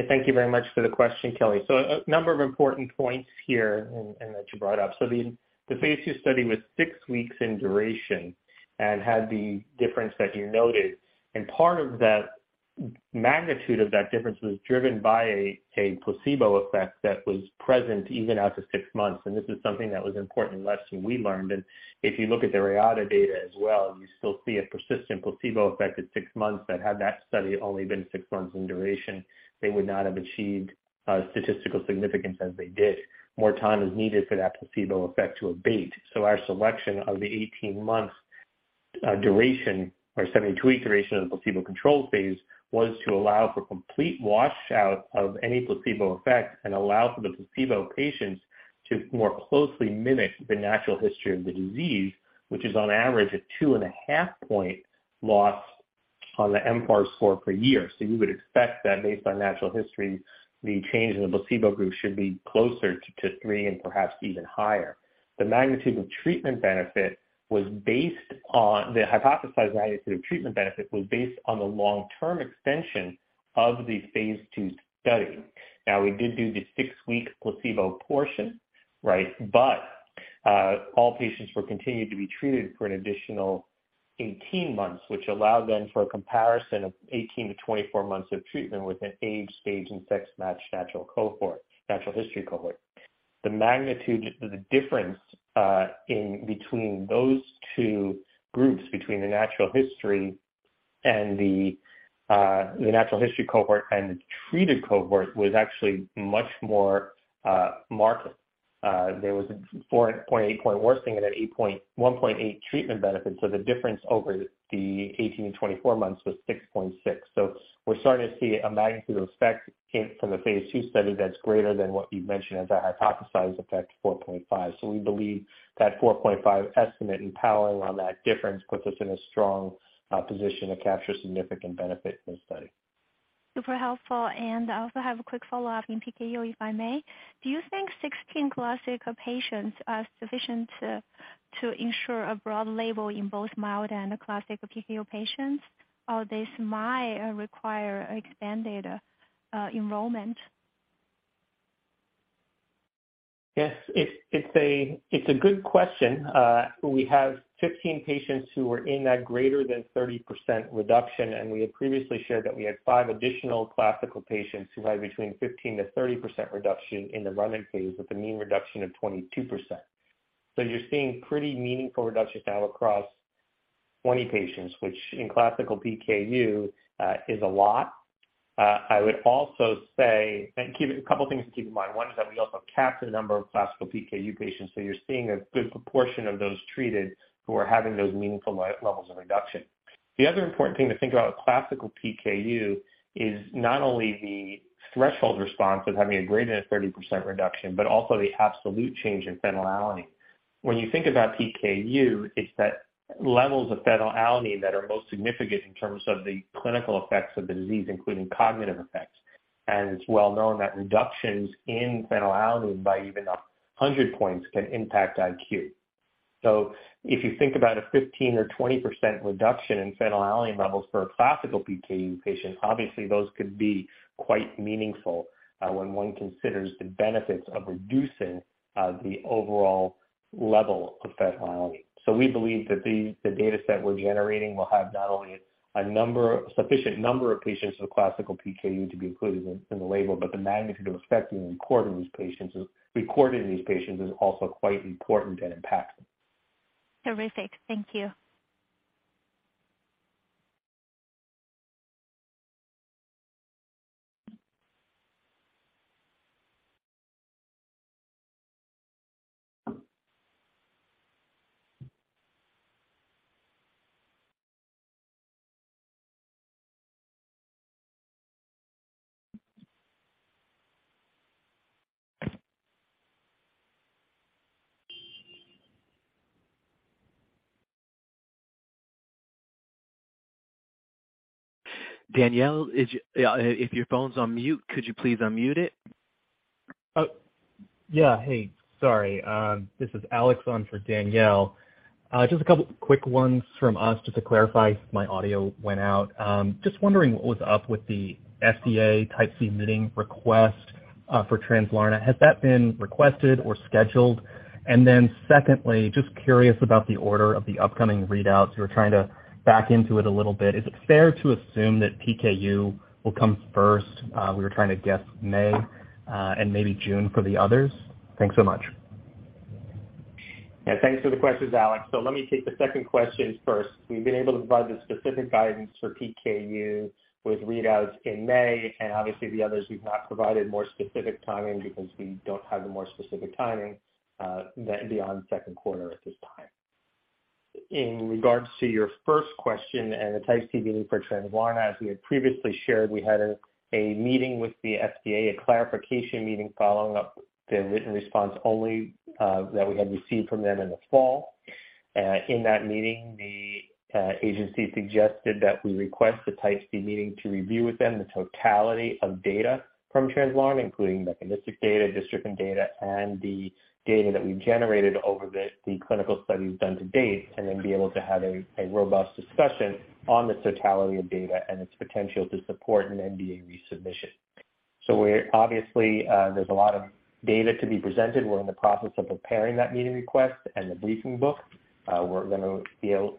Thank you very much for the question, Kelly. A number of important points here that you brought up. The phase 2 study was six weeks in duration and had the difference that you noted. Part of that magnitude of that difference was driven by a placebo effect that was present even out to six months. This is something that was an important lesson we learned. If you look at the Raxone data as well, you still see a persistent placebo effect at six months that had that study only been six months in duration, they would not have achieved statistical significance as they did. More time is needed for that placebo effect to abate. Our selection of the 18 months duration or 72-week duration of the placebo control phase was to allow for complete washout of any placebo effect and allow for the placebo patients to more closely mimic the natural history of the disease, which is on average a 2.5 point loss on the mFARS score per year. You would expect that based on natural history, the change in the placebo group should be closer to three and perhaps even higher. The hypothesized magnitude of treatment benefit was based on the long-term extension of the phase 2 study. Now we did do the 6-week placebo portion, right? All patients were continued to be treated for an additional 18 months, which allowed then for a comparison of 18-24 months of treatment with an age, stage, and sex-matched natural cohort, natural history cohort. The magnitude, the difference in between those two groups, between the natural history and the natural history cohort and the treated cohort, was actually much more marked. There was a 4.8 point worsening and a 1.8 treatment benefit. The difference over the 18-24 months was 6.6. We're starting to see a magnitude of effect from the phase 2 study that's greater than what you've mentioned as a hypothesized effect, 4.5. We believe that 4.5 estimate and powering on that difference puts us in a strong position to capture significant benefit in the study. Super helpful. I also have a quick follow-up in PKU, if I may. Do you think 16 classical patients are sufficient to ensure a broad label in both mild and classical PKU patients? This might require expanded enrollment? Yes. It's a good question. We have 15 patients who are in that greater than 30% reduction, and we had previously shared that we had 5 additional classical patients who had between 15%-30% reduction in the running phase with a mean reduction of 22%. You're seeing pretty meaningful reductions now across 20 patients, which in classical PKU is a lot. I would also say, A couple things to keep in mind. One is that we also capped the number of classical PKU patients. You're seeing a good proportion of those treated who are having those meaningful levels of reduction. The other important thing to think about with classical PKU is not only the threshold response of having a greater than 30% reduction, but also the absolute change in phenylalanine. When you think about PKU, it's that levels of phenylalanine that are most significant in terms of the clinical effects of the disease, including cognitive effects. It's well known that reductions in phenylalanine by even 100 points can impact IQ. If you think about a 15% or 20% reduction in phenylalanine levels for a classical PKU patient, obviously those could be quite meaningful when one considers the benefits of reducing the overall level of phenylalanine. We believe that the data set we're generating will have not only sufficient number of patients with classical PKU to be included in the label, but the magnitude of effect we recorded in these patients is also quite important and impactful. Terrific. Thank you. Danielle Brill, if your phone's on mute, could you please unmute it? Oh, yeah. Hey, sorry. This is Alex on for Danielle Brill. Just a couple quick ones from us just to clarify, my audio went out. Just wondering what was up with the FDA Type C meeting request for Translarna. Has that been requested or scheduled? Secondly, just curious about the order of the upcoming readouts. We're trying to back into it a little bit. Is it fair to assume that PKU will come first? We were trying to guess May and maybe June for the others. Thanks so much. Thanks for the questions, Alex. Let me take the second question first. We've been able to provide the specific guidance for PKU with readouts in May, and obviously the others we've not provided more specific timing because we don't have the more specific timing beyond second quarter at this time. In regards to your first question and the Type C meeting for Translarna, as we had previously shared, we had a meeting with the FDA, a clarification meeting following up the written response only that we had received from them in the fall. In that meeting, the agency suggested that we request a Type C meeting to review with them the totality of data from Translarna, including mechanistic data, distributing data, and the data that we've generated over the clinical studies done to date, and then be able to have a robust discussion on the totality of data and its potential to support an NDA resubmission. Obviously, there's a lot of data to be presented. We're in the process of preparing that meeting request and the briefing book. We're gonna be able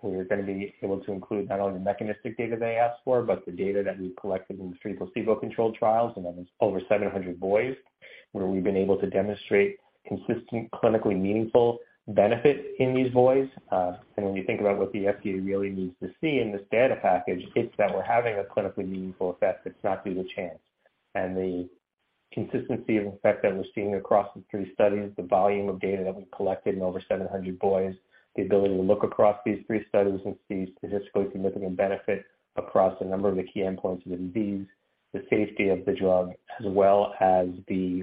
to include not only the mechanistic data they asked for, but the data that we collected in the three placebo-controlled trials, and that was over 700 boys, where we've been able to demonstrate consistent, clinically meaningful benefit in these boys. When you think about what the FDA really needs to see in this data package, it's that we're having a clinically meaningful effect that's not due to chance. The consistency of effect that we're seeing across the three studies, the volume of data that we collected in over 700 boys, the ability to look across these three studies and see statistically significant benefit across a number of the key endpoints of the disease, the safety of the drug, as well as the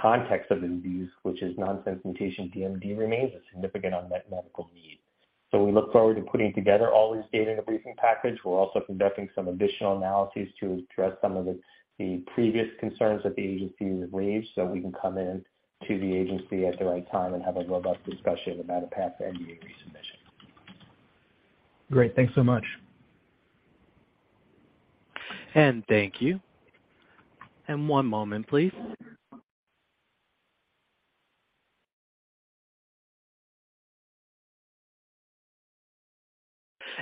context of the disease, which is nonsense mutation DMD remains a significant unmet medical need. We look forward to putting together all this data in a briefing package. We're also conducting some additional analyses to address some of the previous concerns that the agency has raised, so we can come in to the agency at the right time and have a robust discussion about a path to NDA resubmission. Great. Thanks so much. Thank you. One moment, please.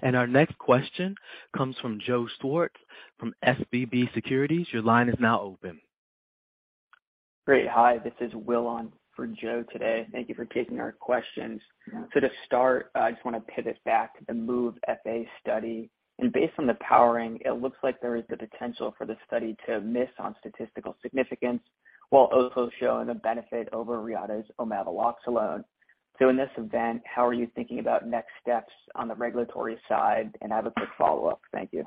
Our next question comes from Joe Schwartz from SVB Leerink. Your line is now open. Great. Hi, this is Will on for Joe today. Thank you for taking our questions. To start, I just wanna pivot back to the MOVE-FA study. Based on the powering, it looks like there is the potential for the study to miss on statistical significance while also showing a benefit over Reata's omaveloxolone. In this event, how are you thinking about next steps on the regulatory side? I have a quick follow-up. Thank you.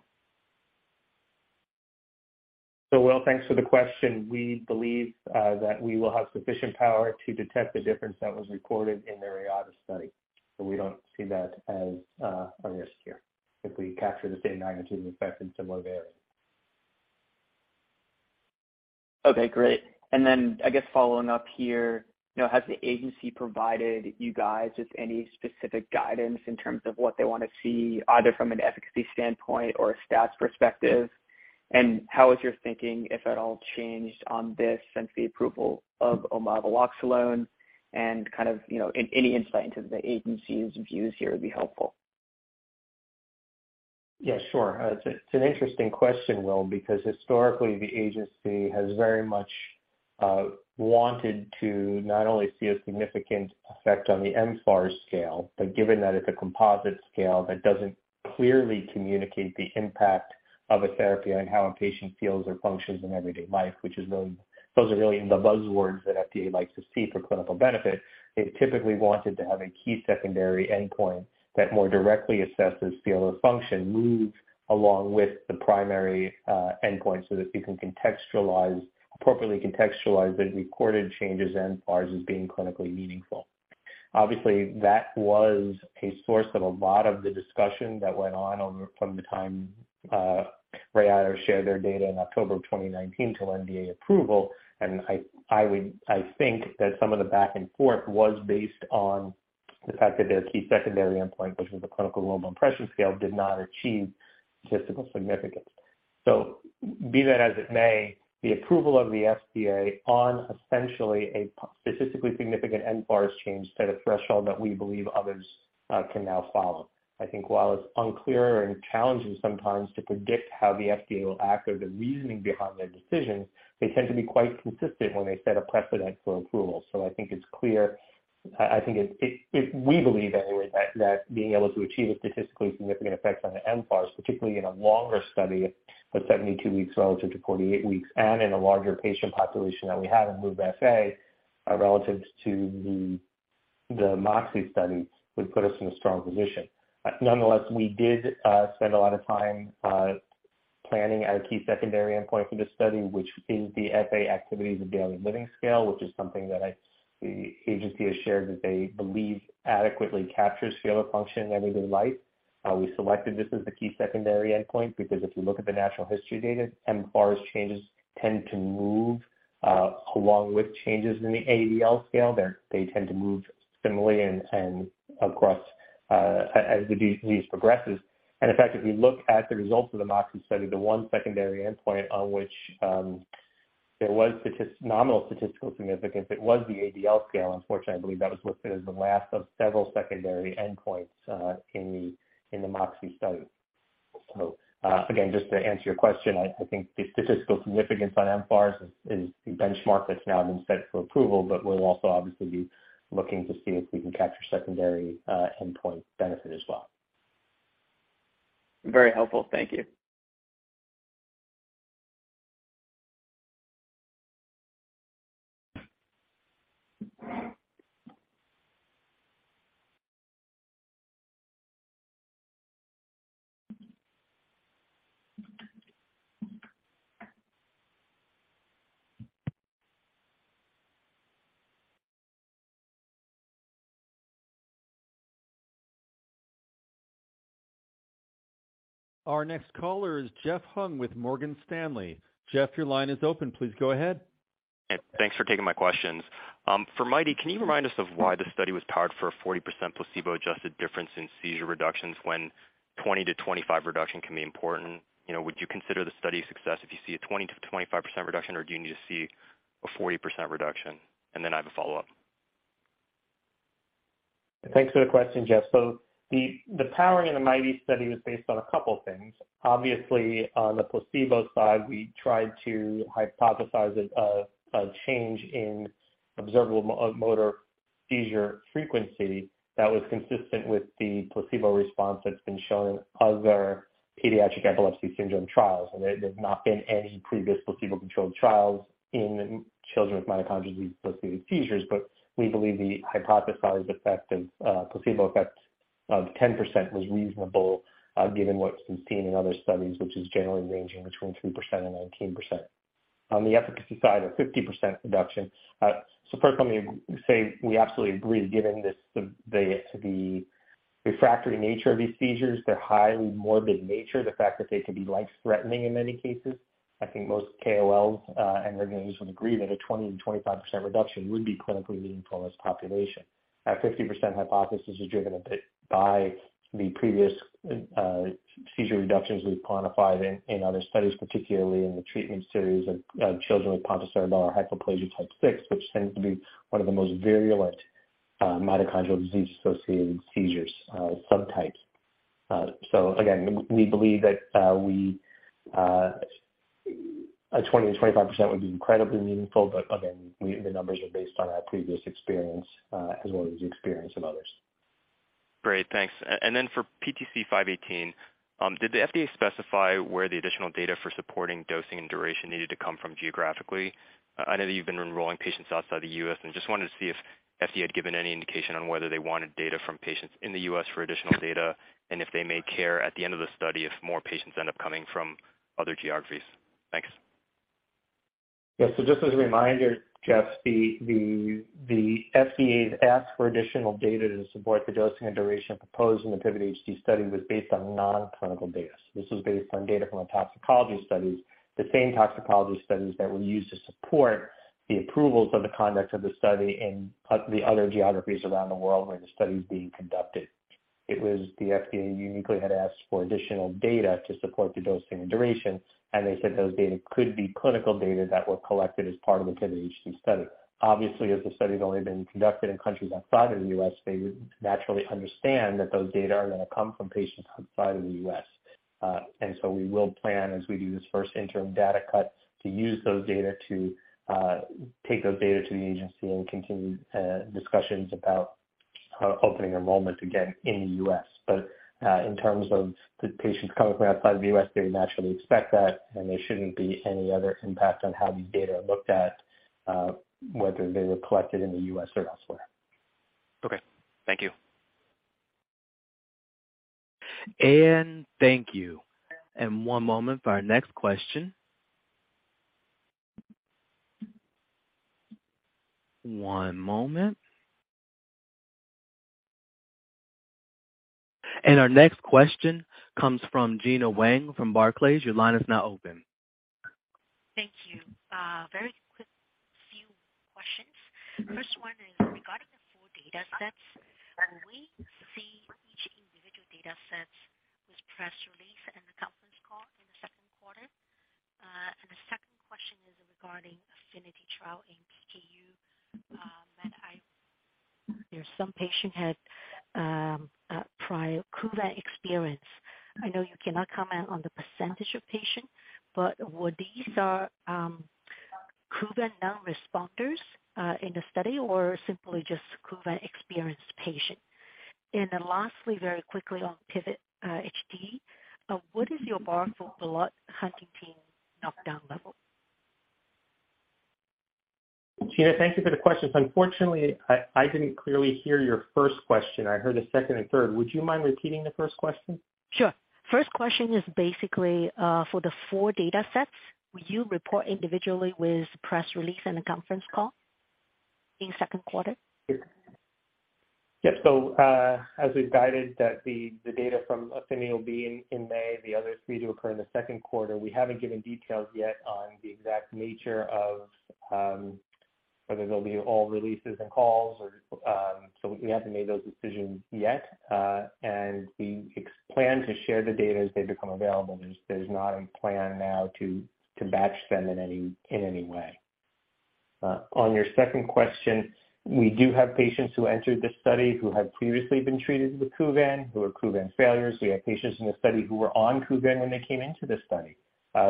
Will, thanks for the question. We believe that we will have sufficient power to detect the difference that was recorded in the Reata study, so we don't see that as a risk here if we capture the same magnitude and effect in similar variants. Okay, great. I guess following up here, you know, has the agency provided you guys just any specific guidance in terms of what they wanna see either from an efficacy standpoint or a stats perspective? How has your thinking, if at all, changed on this since the approval of omaveloxolone? Kind of, you know, any insight into the agency's views here would be helpful. Yeah, sure. It's, it's an interesting question, Will, because historically the agency has very much wanted to not only see a significant effect on the mFARS scale, but given that it's a composite scale that doesn't clearly communicate the impact of a therapy on how a patient feels or functions in everyday life, those are really the buzzwords that FDA likes to see for clinical benefit. They've typically wanted to have a key secondary endpoint that more directly assesses feel or function moves along with the primary endpoint so that we can appropriately contextualize the recorded changes in mFARS as being clinically meaningful. Obviously, that was a source of a lot of the discussion that went on over from the time Reata shared their data in October of 2019 till NDA approval, and I think that some of the back and forth was based on the fact that their key secondary endpoint, which was the Clinical Global Impression Scale, did not achieve statistical significance. Be that as it may, the approval of the FDA on essentially a statistically significant mFARS change set a threshold that we believe others can now follow. I think while it's unclear and challenging sometimes to predict how the FDA will act or the reasoning behind their decisions, they tend to be quite consistent when they set a precedent for approval. I think it's clear. We believe anyway that being able to achieve a statistically significant effect on the mFARS, particularly in a longer study of 72 weeks relative to 48 weeks and in a larger patient population that we have in MOVE FA, relative to the MOXIe study, would put us in a strong position. Nonetheless, we did spend a lot of time planning our key secondary endpoint for this study, which is the FA Activities of Daily Living scale, which is something that the agency has shared that they believe adequately captures fetal function that we would like. We selected this as the key secondary endpoint because if you look at the natural history data, mFARS changes tend to move along with changes in the ADL scale. They tend to move similarly and across as the disease progresses. In fact, if we look at the results of the MOXIe study, the one secondary endpoint on which there was nominal statistical significance, it was the ADL scale. Unfortunately, I believe that was listed as the last of several secondary endpoints in the MOXIe study. Again, just to answer your question, I think the statistical significance on mFARS is the benchmark that's now been set for approval. We'll also obviously be looking to see if we can capture secondary endpoint benefit as well. Very helpful. Thank you. Our next caller is Jeff Hung with Morgan Stanley. Jeff, your line is open. Please go ahead. Thanks for taking my questions. For MIT-E, can you remind us of why the study was powered for a 40% placebo-adjusted difference in seizure reductions when 20%-25% reduction can be important? You know, would you consider the study a success if you see a 20%-25% reduction or do you need to see a 40% reduction? Then I have a follow-up. Thanks for the question, Jeff. The powering in the MIT-E study was based on two things. Obviously, on the placebo side, we tried to hypothesize a change in observable motor seizure frequency that was consistent with the placebo response that's been shown in other pediatric epilepsy syndrome trials. There's not been any previous placebo-controlled trials in children with mitochondrial disease-related seizures. We believe the hypothesized effect of placebo effect of 10% was reasonable, given what's been seen in other studies, which is generally ranging between 2% and 19%. On the efficacy side, a 50% reduction. First let me say we absolutely agree that given this, the refractory nature of these seizures, their highly morbid nature, the fact that they could be life-threatening in many cases, I think most KOLs and organizations agree that a 20%-25% reduction would be clinically meaningful in this population. Our 50% hypothesis is driven a bit by the previous seizure reductions we've quantified in other studies, particularly in the treatment series of children with pontocerebellar hypoplasia type 6, which tends to be one of the most virulent mitochondrial disease-associated seizures, subtypes. Again, we believe that, we. A 20%-25% would be incredibly meaningful, but again, the numbers are based on our previous experience, as well as the experience of others. Great, thanks. Then for PTC518, did the FDA specify where the additional data for supporting dosing and duration needed to come from geographically? I know that you've been enrolling patients outside the U.S. and just wanted to see if FDA had given any indication on whether they wanted data from patients in the U.S. for additional data and if they may care at the end of the study if more patients end up coming from other geographies. Thanks. Just as a reminder, Jeff, the FDA's ask for additional data to support the dosing and duration proposed in the PIVOT-HD study was based on non-clinical data. This is based on data from our toxicology studies, the same toxicology studies that were used to support the approvals of the conduct of the study in other geographies around the world where the study is being conducted. It was the FDA uniquely had asked for additional data to support the dosing and duration. They said those data could be clinical data that were collected as part of the PIVOT-HD study. Obviously, as the study has only been conducted in countries outside of the U.S., they naturally understand that those data are gonna come from patients outside of the U.S. We will plan as we do this first interim data cut to use those data to take those data to the agency and continue discussions about opening enrollment again in the U.S. In terms of the patients coming from outside the U.S., they naturally expect that and there shouldn't be any other impact on how the data are looked at, whether they were collected in the U.S. or elsewhere. Okay. Thank you. Thank you. One moment for our next question. One moment. Our next question comes from Gena Wang from Barclays. Your line is now open. Thank you. Very quick. First one is regarding the four data sets. Will we see each individual data sets with press release and the conference call in the second quarter? The second question is regarding Affinity trial in PKU, that there's some patient had prior Kuvan experience. I know you cannot comment on the percentage of patient, but were these Kuvan non-responders in the study or simply just Kuvan experienced patient? Lastly, very quickly on PIVOT-HD. What is your bar for blood huntingtin knockdown level? Gena, thank you for the questions. Unfortunately, I didn't clearly hear your first question. I heard the second and third. Would you mind repeating the first question? Sure. First question is basically, for the four data sets, will you report individually with press release and a conference call in second quarter? Yep. As we've guided that the data from Affinity will be in May, the other three to occur in the second quarter. We haven't given details yet on the exact nature of whether they'll be all releases and calls or we haven't made those decisions yet. And we plan to share the data as they become available. There's not a plan now to batch them in any way. On your second question, we do have patients who entered the study who had previously been treated with Kuvan, who are Kuvan failures. We have patients in the study who were on Kuvan when they came into the study,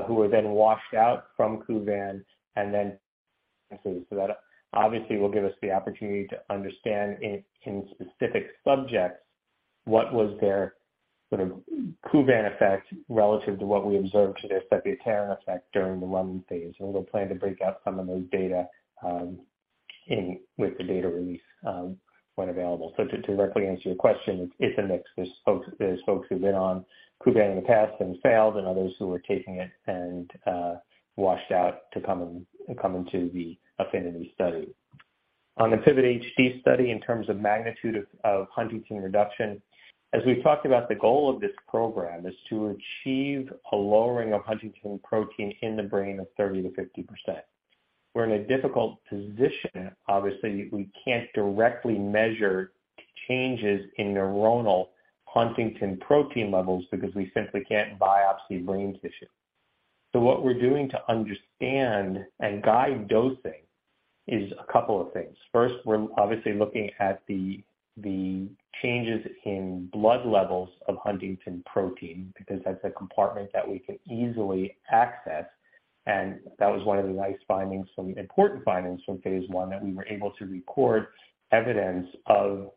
who were then washed out from Kuvan and then Okay. That obviously will give us the opportunity to understand in specific subjects, what was their sort of Kuvan effect relative to what we observed to their sepiapterin effect during the running phase. We'll plan to break out some of those data with the data release when available. To directly answer your question, it's a mix. There's folks who've been on Kuvan in the past and failed, and others who are taking it and washed out to come into the Affinity study. On the PIVOT-HD study in terms of magnitude of huntingtin reduction, as we've talked about, the goal of this program is to achieve a lowering of huntingtin protein in the brain of 30%-50%. We're in a difficult position. We can't directly measure changes in neuronal huntingtin protein levels because we simply can't biopsy brain tissue. What we're doing to understand and guide dosing is a couple of things. First, we're obviously looking at the changes in blood levels of huntingtin protein because that's a compartment that we can easily access. That was one of the important findings from phase one, that we were able to report evidence of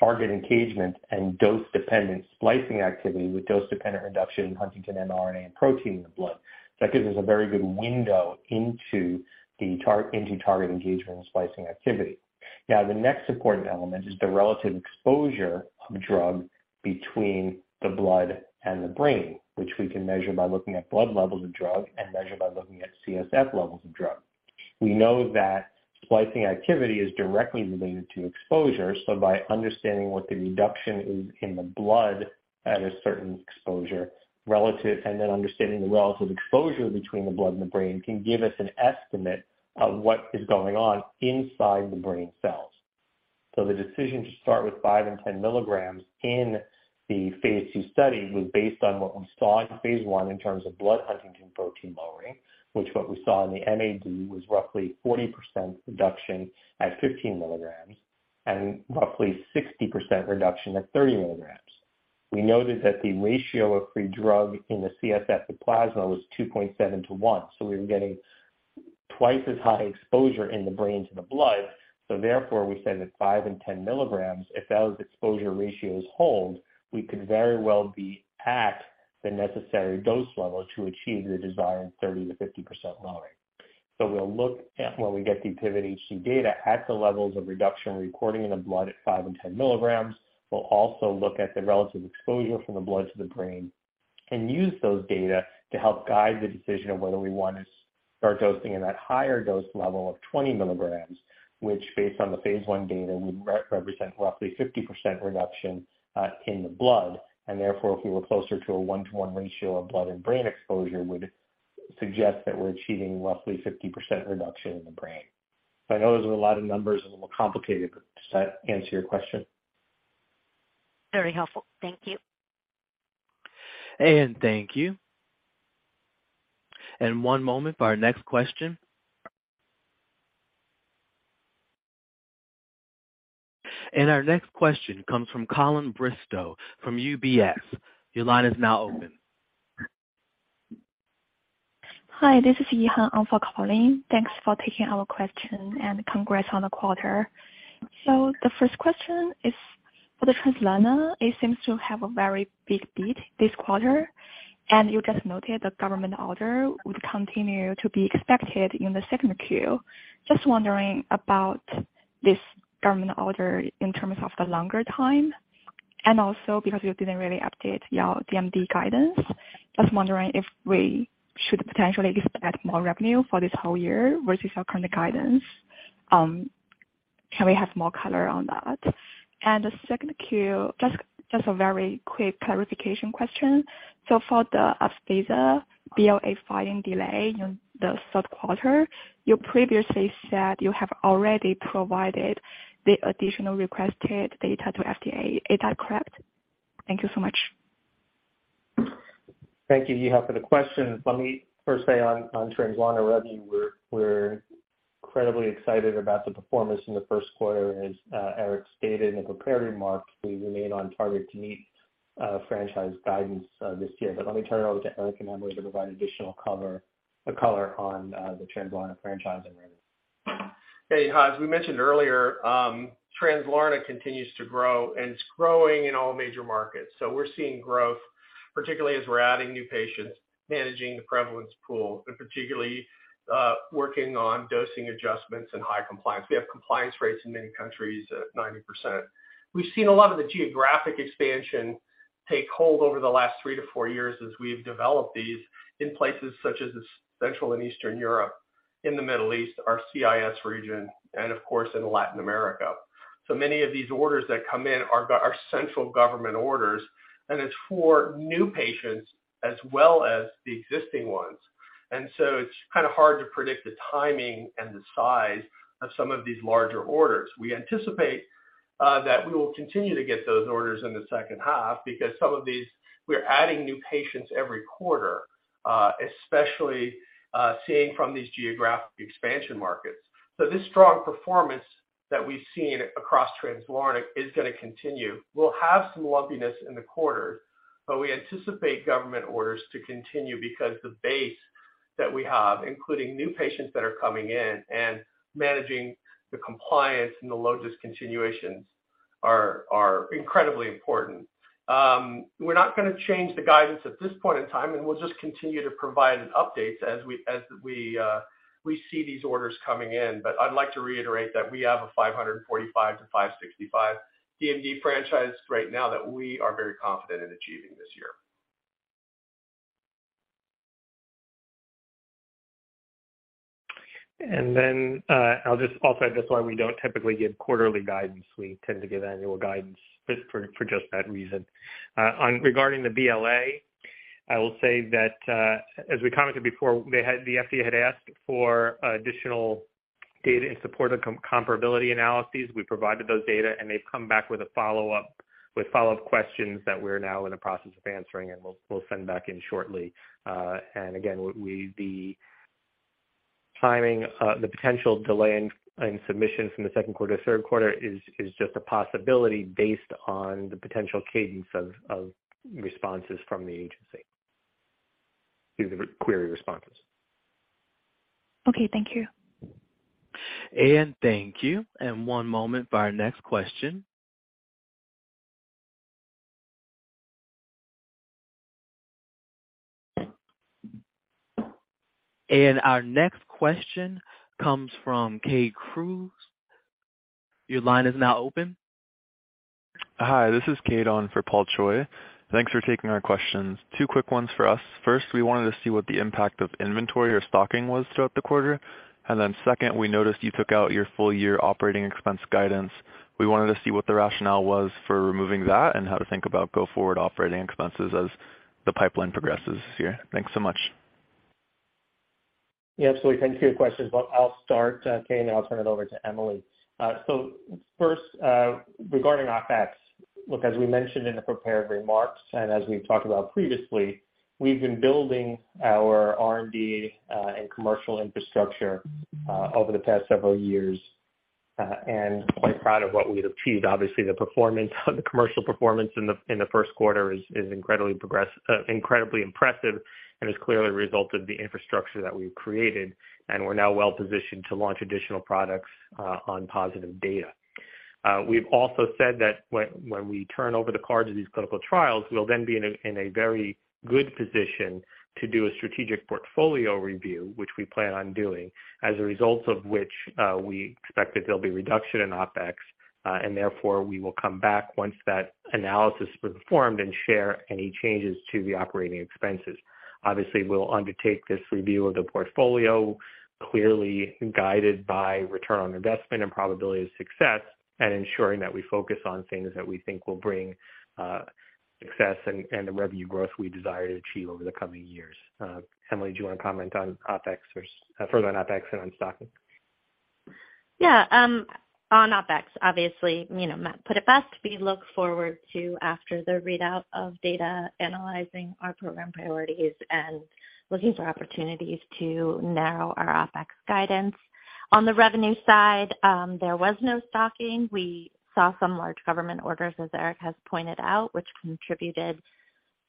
target engagement and dose-dependent splicing activity with dose-dependent reduction in huntingtin mRNA and protein in the blood. That gives us a very good window into target engagement and splicing activity. The next important element is the relative exposure of drug between the blood and the brain, which we can measure by looking at blood levels of drug and measure by looking at CSF levels of drug. We know that splicing activity is directly related to exposure. By understanding what the reduction is in the blood at a certain exposure relative, and then understanding the relative exposure between the blood and the brain, can give us an estimate of what is going on inside the brain cells. The decision to start with 5 and 10 mg in the phase 2 study was based on what we saw in phase 1 in terms of blood huntingtin protein lowering, which what we saw in the MAD was roughly 40% reduction at 15 mg and roughly 60% reduction at 30 mg. We noted that the ratio of free drug in the CSF to plasma was 2.7 to 1. We were getting twice as high exposure in the brain to the blood. Therefore, we said that 5 and 10 mg, if those exposure ratios hold, we could very well be at the necessary dose level to achieve the desired 30%-50% lowering. We'll look at when we get the PIVOT-HD data at the levels of reduction recording in the blood at 5 and 10 mg. We'll also look at the relative exposure from the blood to the brain and use those data to help guide the decision of whether we wanna start dosing in that higher dose level of 20 mg, which based on the phase 1 data, would represent roughly 50% reduction in the blood. Therefore, if we were closer to a one-to-one ratio of blood and brain exposure, would suggest that we're achieving roughly 50% reduction in the brain. I know those are a lot of numbers and a little complicated, but does that answer your question? Very helpful. Thank you. Thank you. One moment for our next question. Our next question comes from Colin Bristow, from UBS. Your line is now open. Hi, this is Yihan Li for Colin. Thanks for taking our question and congrats on the quarter. The first question is for the Translarna, it seems to have a very big beat this quarter, and you just noted the government order would continue to be expected in the second Q. Just wondering about this government order in terms of the longer time, and also because you didn't really update your DMD guidance. Just wondering if we should potentially expect more revenue for this whole year versus our current guidance. Can we have more color on that? The second Q, just a very quick clarification question. For the Upstaza BLA filing delay in the third quarter, you previously said you have already provided the additional requested data to FDA. Is that correct? Thank you so much. Thank you, Yihan, for the question. Let me first say on Translarna revenue, we're incredibly excited about the performance in the first quarter. As Eric stated in the prepared remarks, we remain on target to meet franchise guidance this year. Let me turn it over to Eric and Emily Hill to provide additional color on the Translarna franchise and revenue. Hey, Yihan. As we mentioned earlier, Translarna continues to grow, it's growing in all major markets. We're seeing growth, particularly as we're adding new patients, managing the prevalence pool, and particularly, working on dosing adjustments and high compliance. We have compliance rates in many countries at 90%. We've seen a lot of the geographic expansion take hold over the last three to four years as we've developed these in places such as Central and Eastern Europe, in the Middle East, our CIS region, and of course, in Latin America. Many of these orders that come in are central government orders, it's for new patients as well as the existing ones. It's kind of hard to predict the timing and the size of some of these larger orders. We anticipate that we will continue to get those orders in the second half because some of these we're adding new patients every quarter, especially seeing from these geographic expansion markets. This strong performance that we've seen across Translarna is gonna continue. We'll have some lumpiness in the quarter, but we anticipate government orders to continue because the base that we have, including new patients that are coming in and managing the compliance and the low discontinuations, are incredibly important. We're not gonna change the guidance at this point in time, and we'll just continue to provide updates as we see these orders coming in. I'd like to reiterate that we have a $545-$565 DMD franchise right now that we are very confident in achieving this year. Then, I'll just also add this why we don't typically give quarterly guidance. We tend to give annual guidance for just that reason. Regarding the BLA, I will say that, as we commented before, the FDA had asked for additional data in support of comparability analyses. We provided those data, and they've come back with a follow-up, with follow-up questions that we're now in the process of answering, and we'll send back in shortly. Again, we the timing, the potential delay in submission from the second quarter to third quarter is just a possibility based on the potential cadence of responses from the agency. These are query responses. Okay. Thank you. Thank you. One moment for our next question. Our next question comes from Kade Cruz. Your line is now open. Hi, this is Kade on for Paul Choi. Thanks for taking our questions. Two quick ones for us. First, we wanted to see what the impact of inventory or stocking was throughout the quarter. Second, we noticed you took out your full year operating expense guidance. We wanted to see what the rationale was for removing that and how to think about go forward operating expenses as the pipeline progresses this year. Thanks so much. Yeah, absolutely. Thank you for your questions. Well, I'll start Kade, and I'll turn it over to Emily Hill. First, regarding OpEx, look, as we mentioned in the prepared remarks and as we've talked about previously, we've been building our R&D and commercial infrastructure over the past several years and quite proud of what we've achieved. Obviously, the performance of the commercial performance in the first quarter is incredibly impressive and has clearly resulted the infrastructure that we've created, and we're now well-positioned to launch additional products on positive data. We've also said that when we turn over the cards of these clinical trials, we'll then be in a very good position to do a strategic portfolio review, which we plan on doing, as a result of which, we expect that there'll be reduction in OpEx. Therefore, we will come back once that analysis is performed and share any changes to the operating expenses. Obviously, we'll undertake this review of the portfolio, clearly guided by return on investment and probability of success and ensuring that we focus on things that we think will bring success and the revenue growth we desire to achieve over the coming years. Emily Hill, do you wanna comment on OpEx or further on OpEx and on stocking? On OpEx, obviously, you know, Matt put it best. We look forward to, after the readout of data, analyzing our program priorities and looking for opportunities to narrow our OpEx guidance. On the revenue side, there was no stocking. We saw some large government orders, as Eric has pointed out, which contributed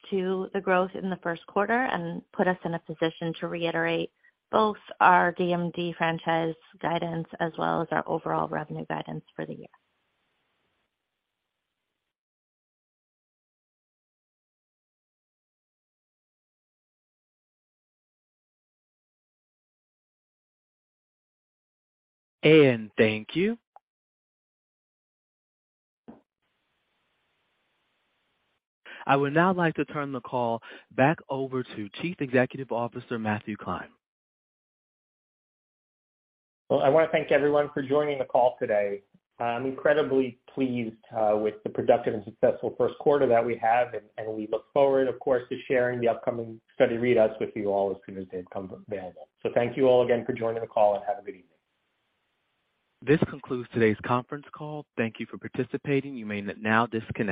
to the growth in the first quarter and put us in a position to reiterate both our DMD franchise guidance as well as our overall revenue guidance for the year. Thank you. I would now like to turn the call back over to Chief Executive Officer, Matthew Klein. Well, I wanna thank everyone for joining the call today. I'm incredibly pleased with the productive and successful first quarter that we have, and we look forward, of course, to sharing the upcoming study readouts with you all as soon as they become available. Thank you all again for joining the call, and have a good evening. This concludes today's conference call. Thank you for participating. You may now disconnect.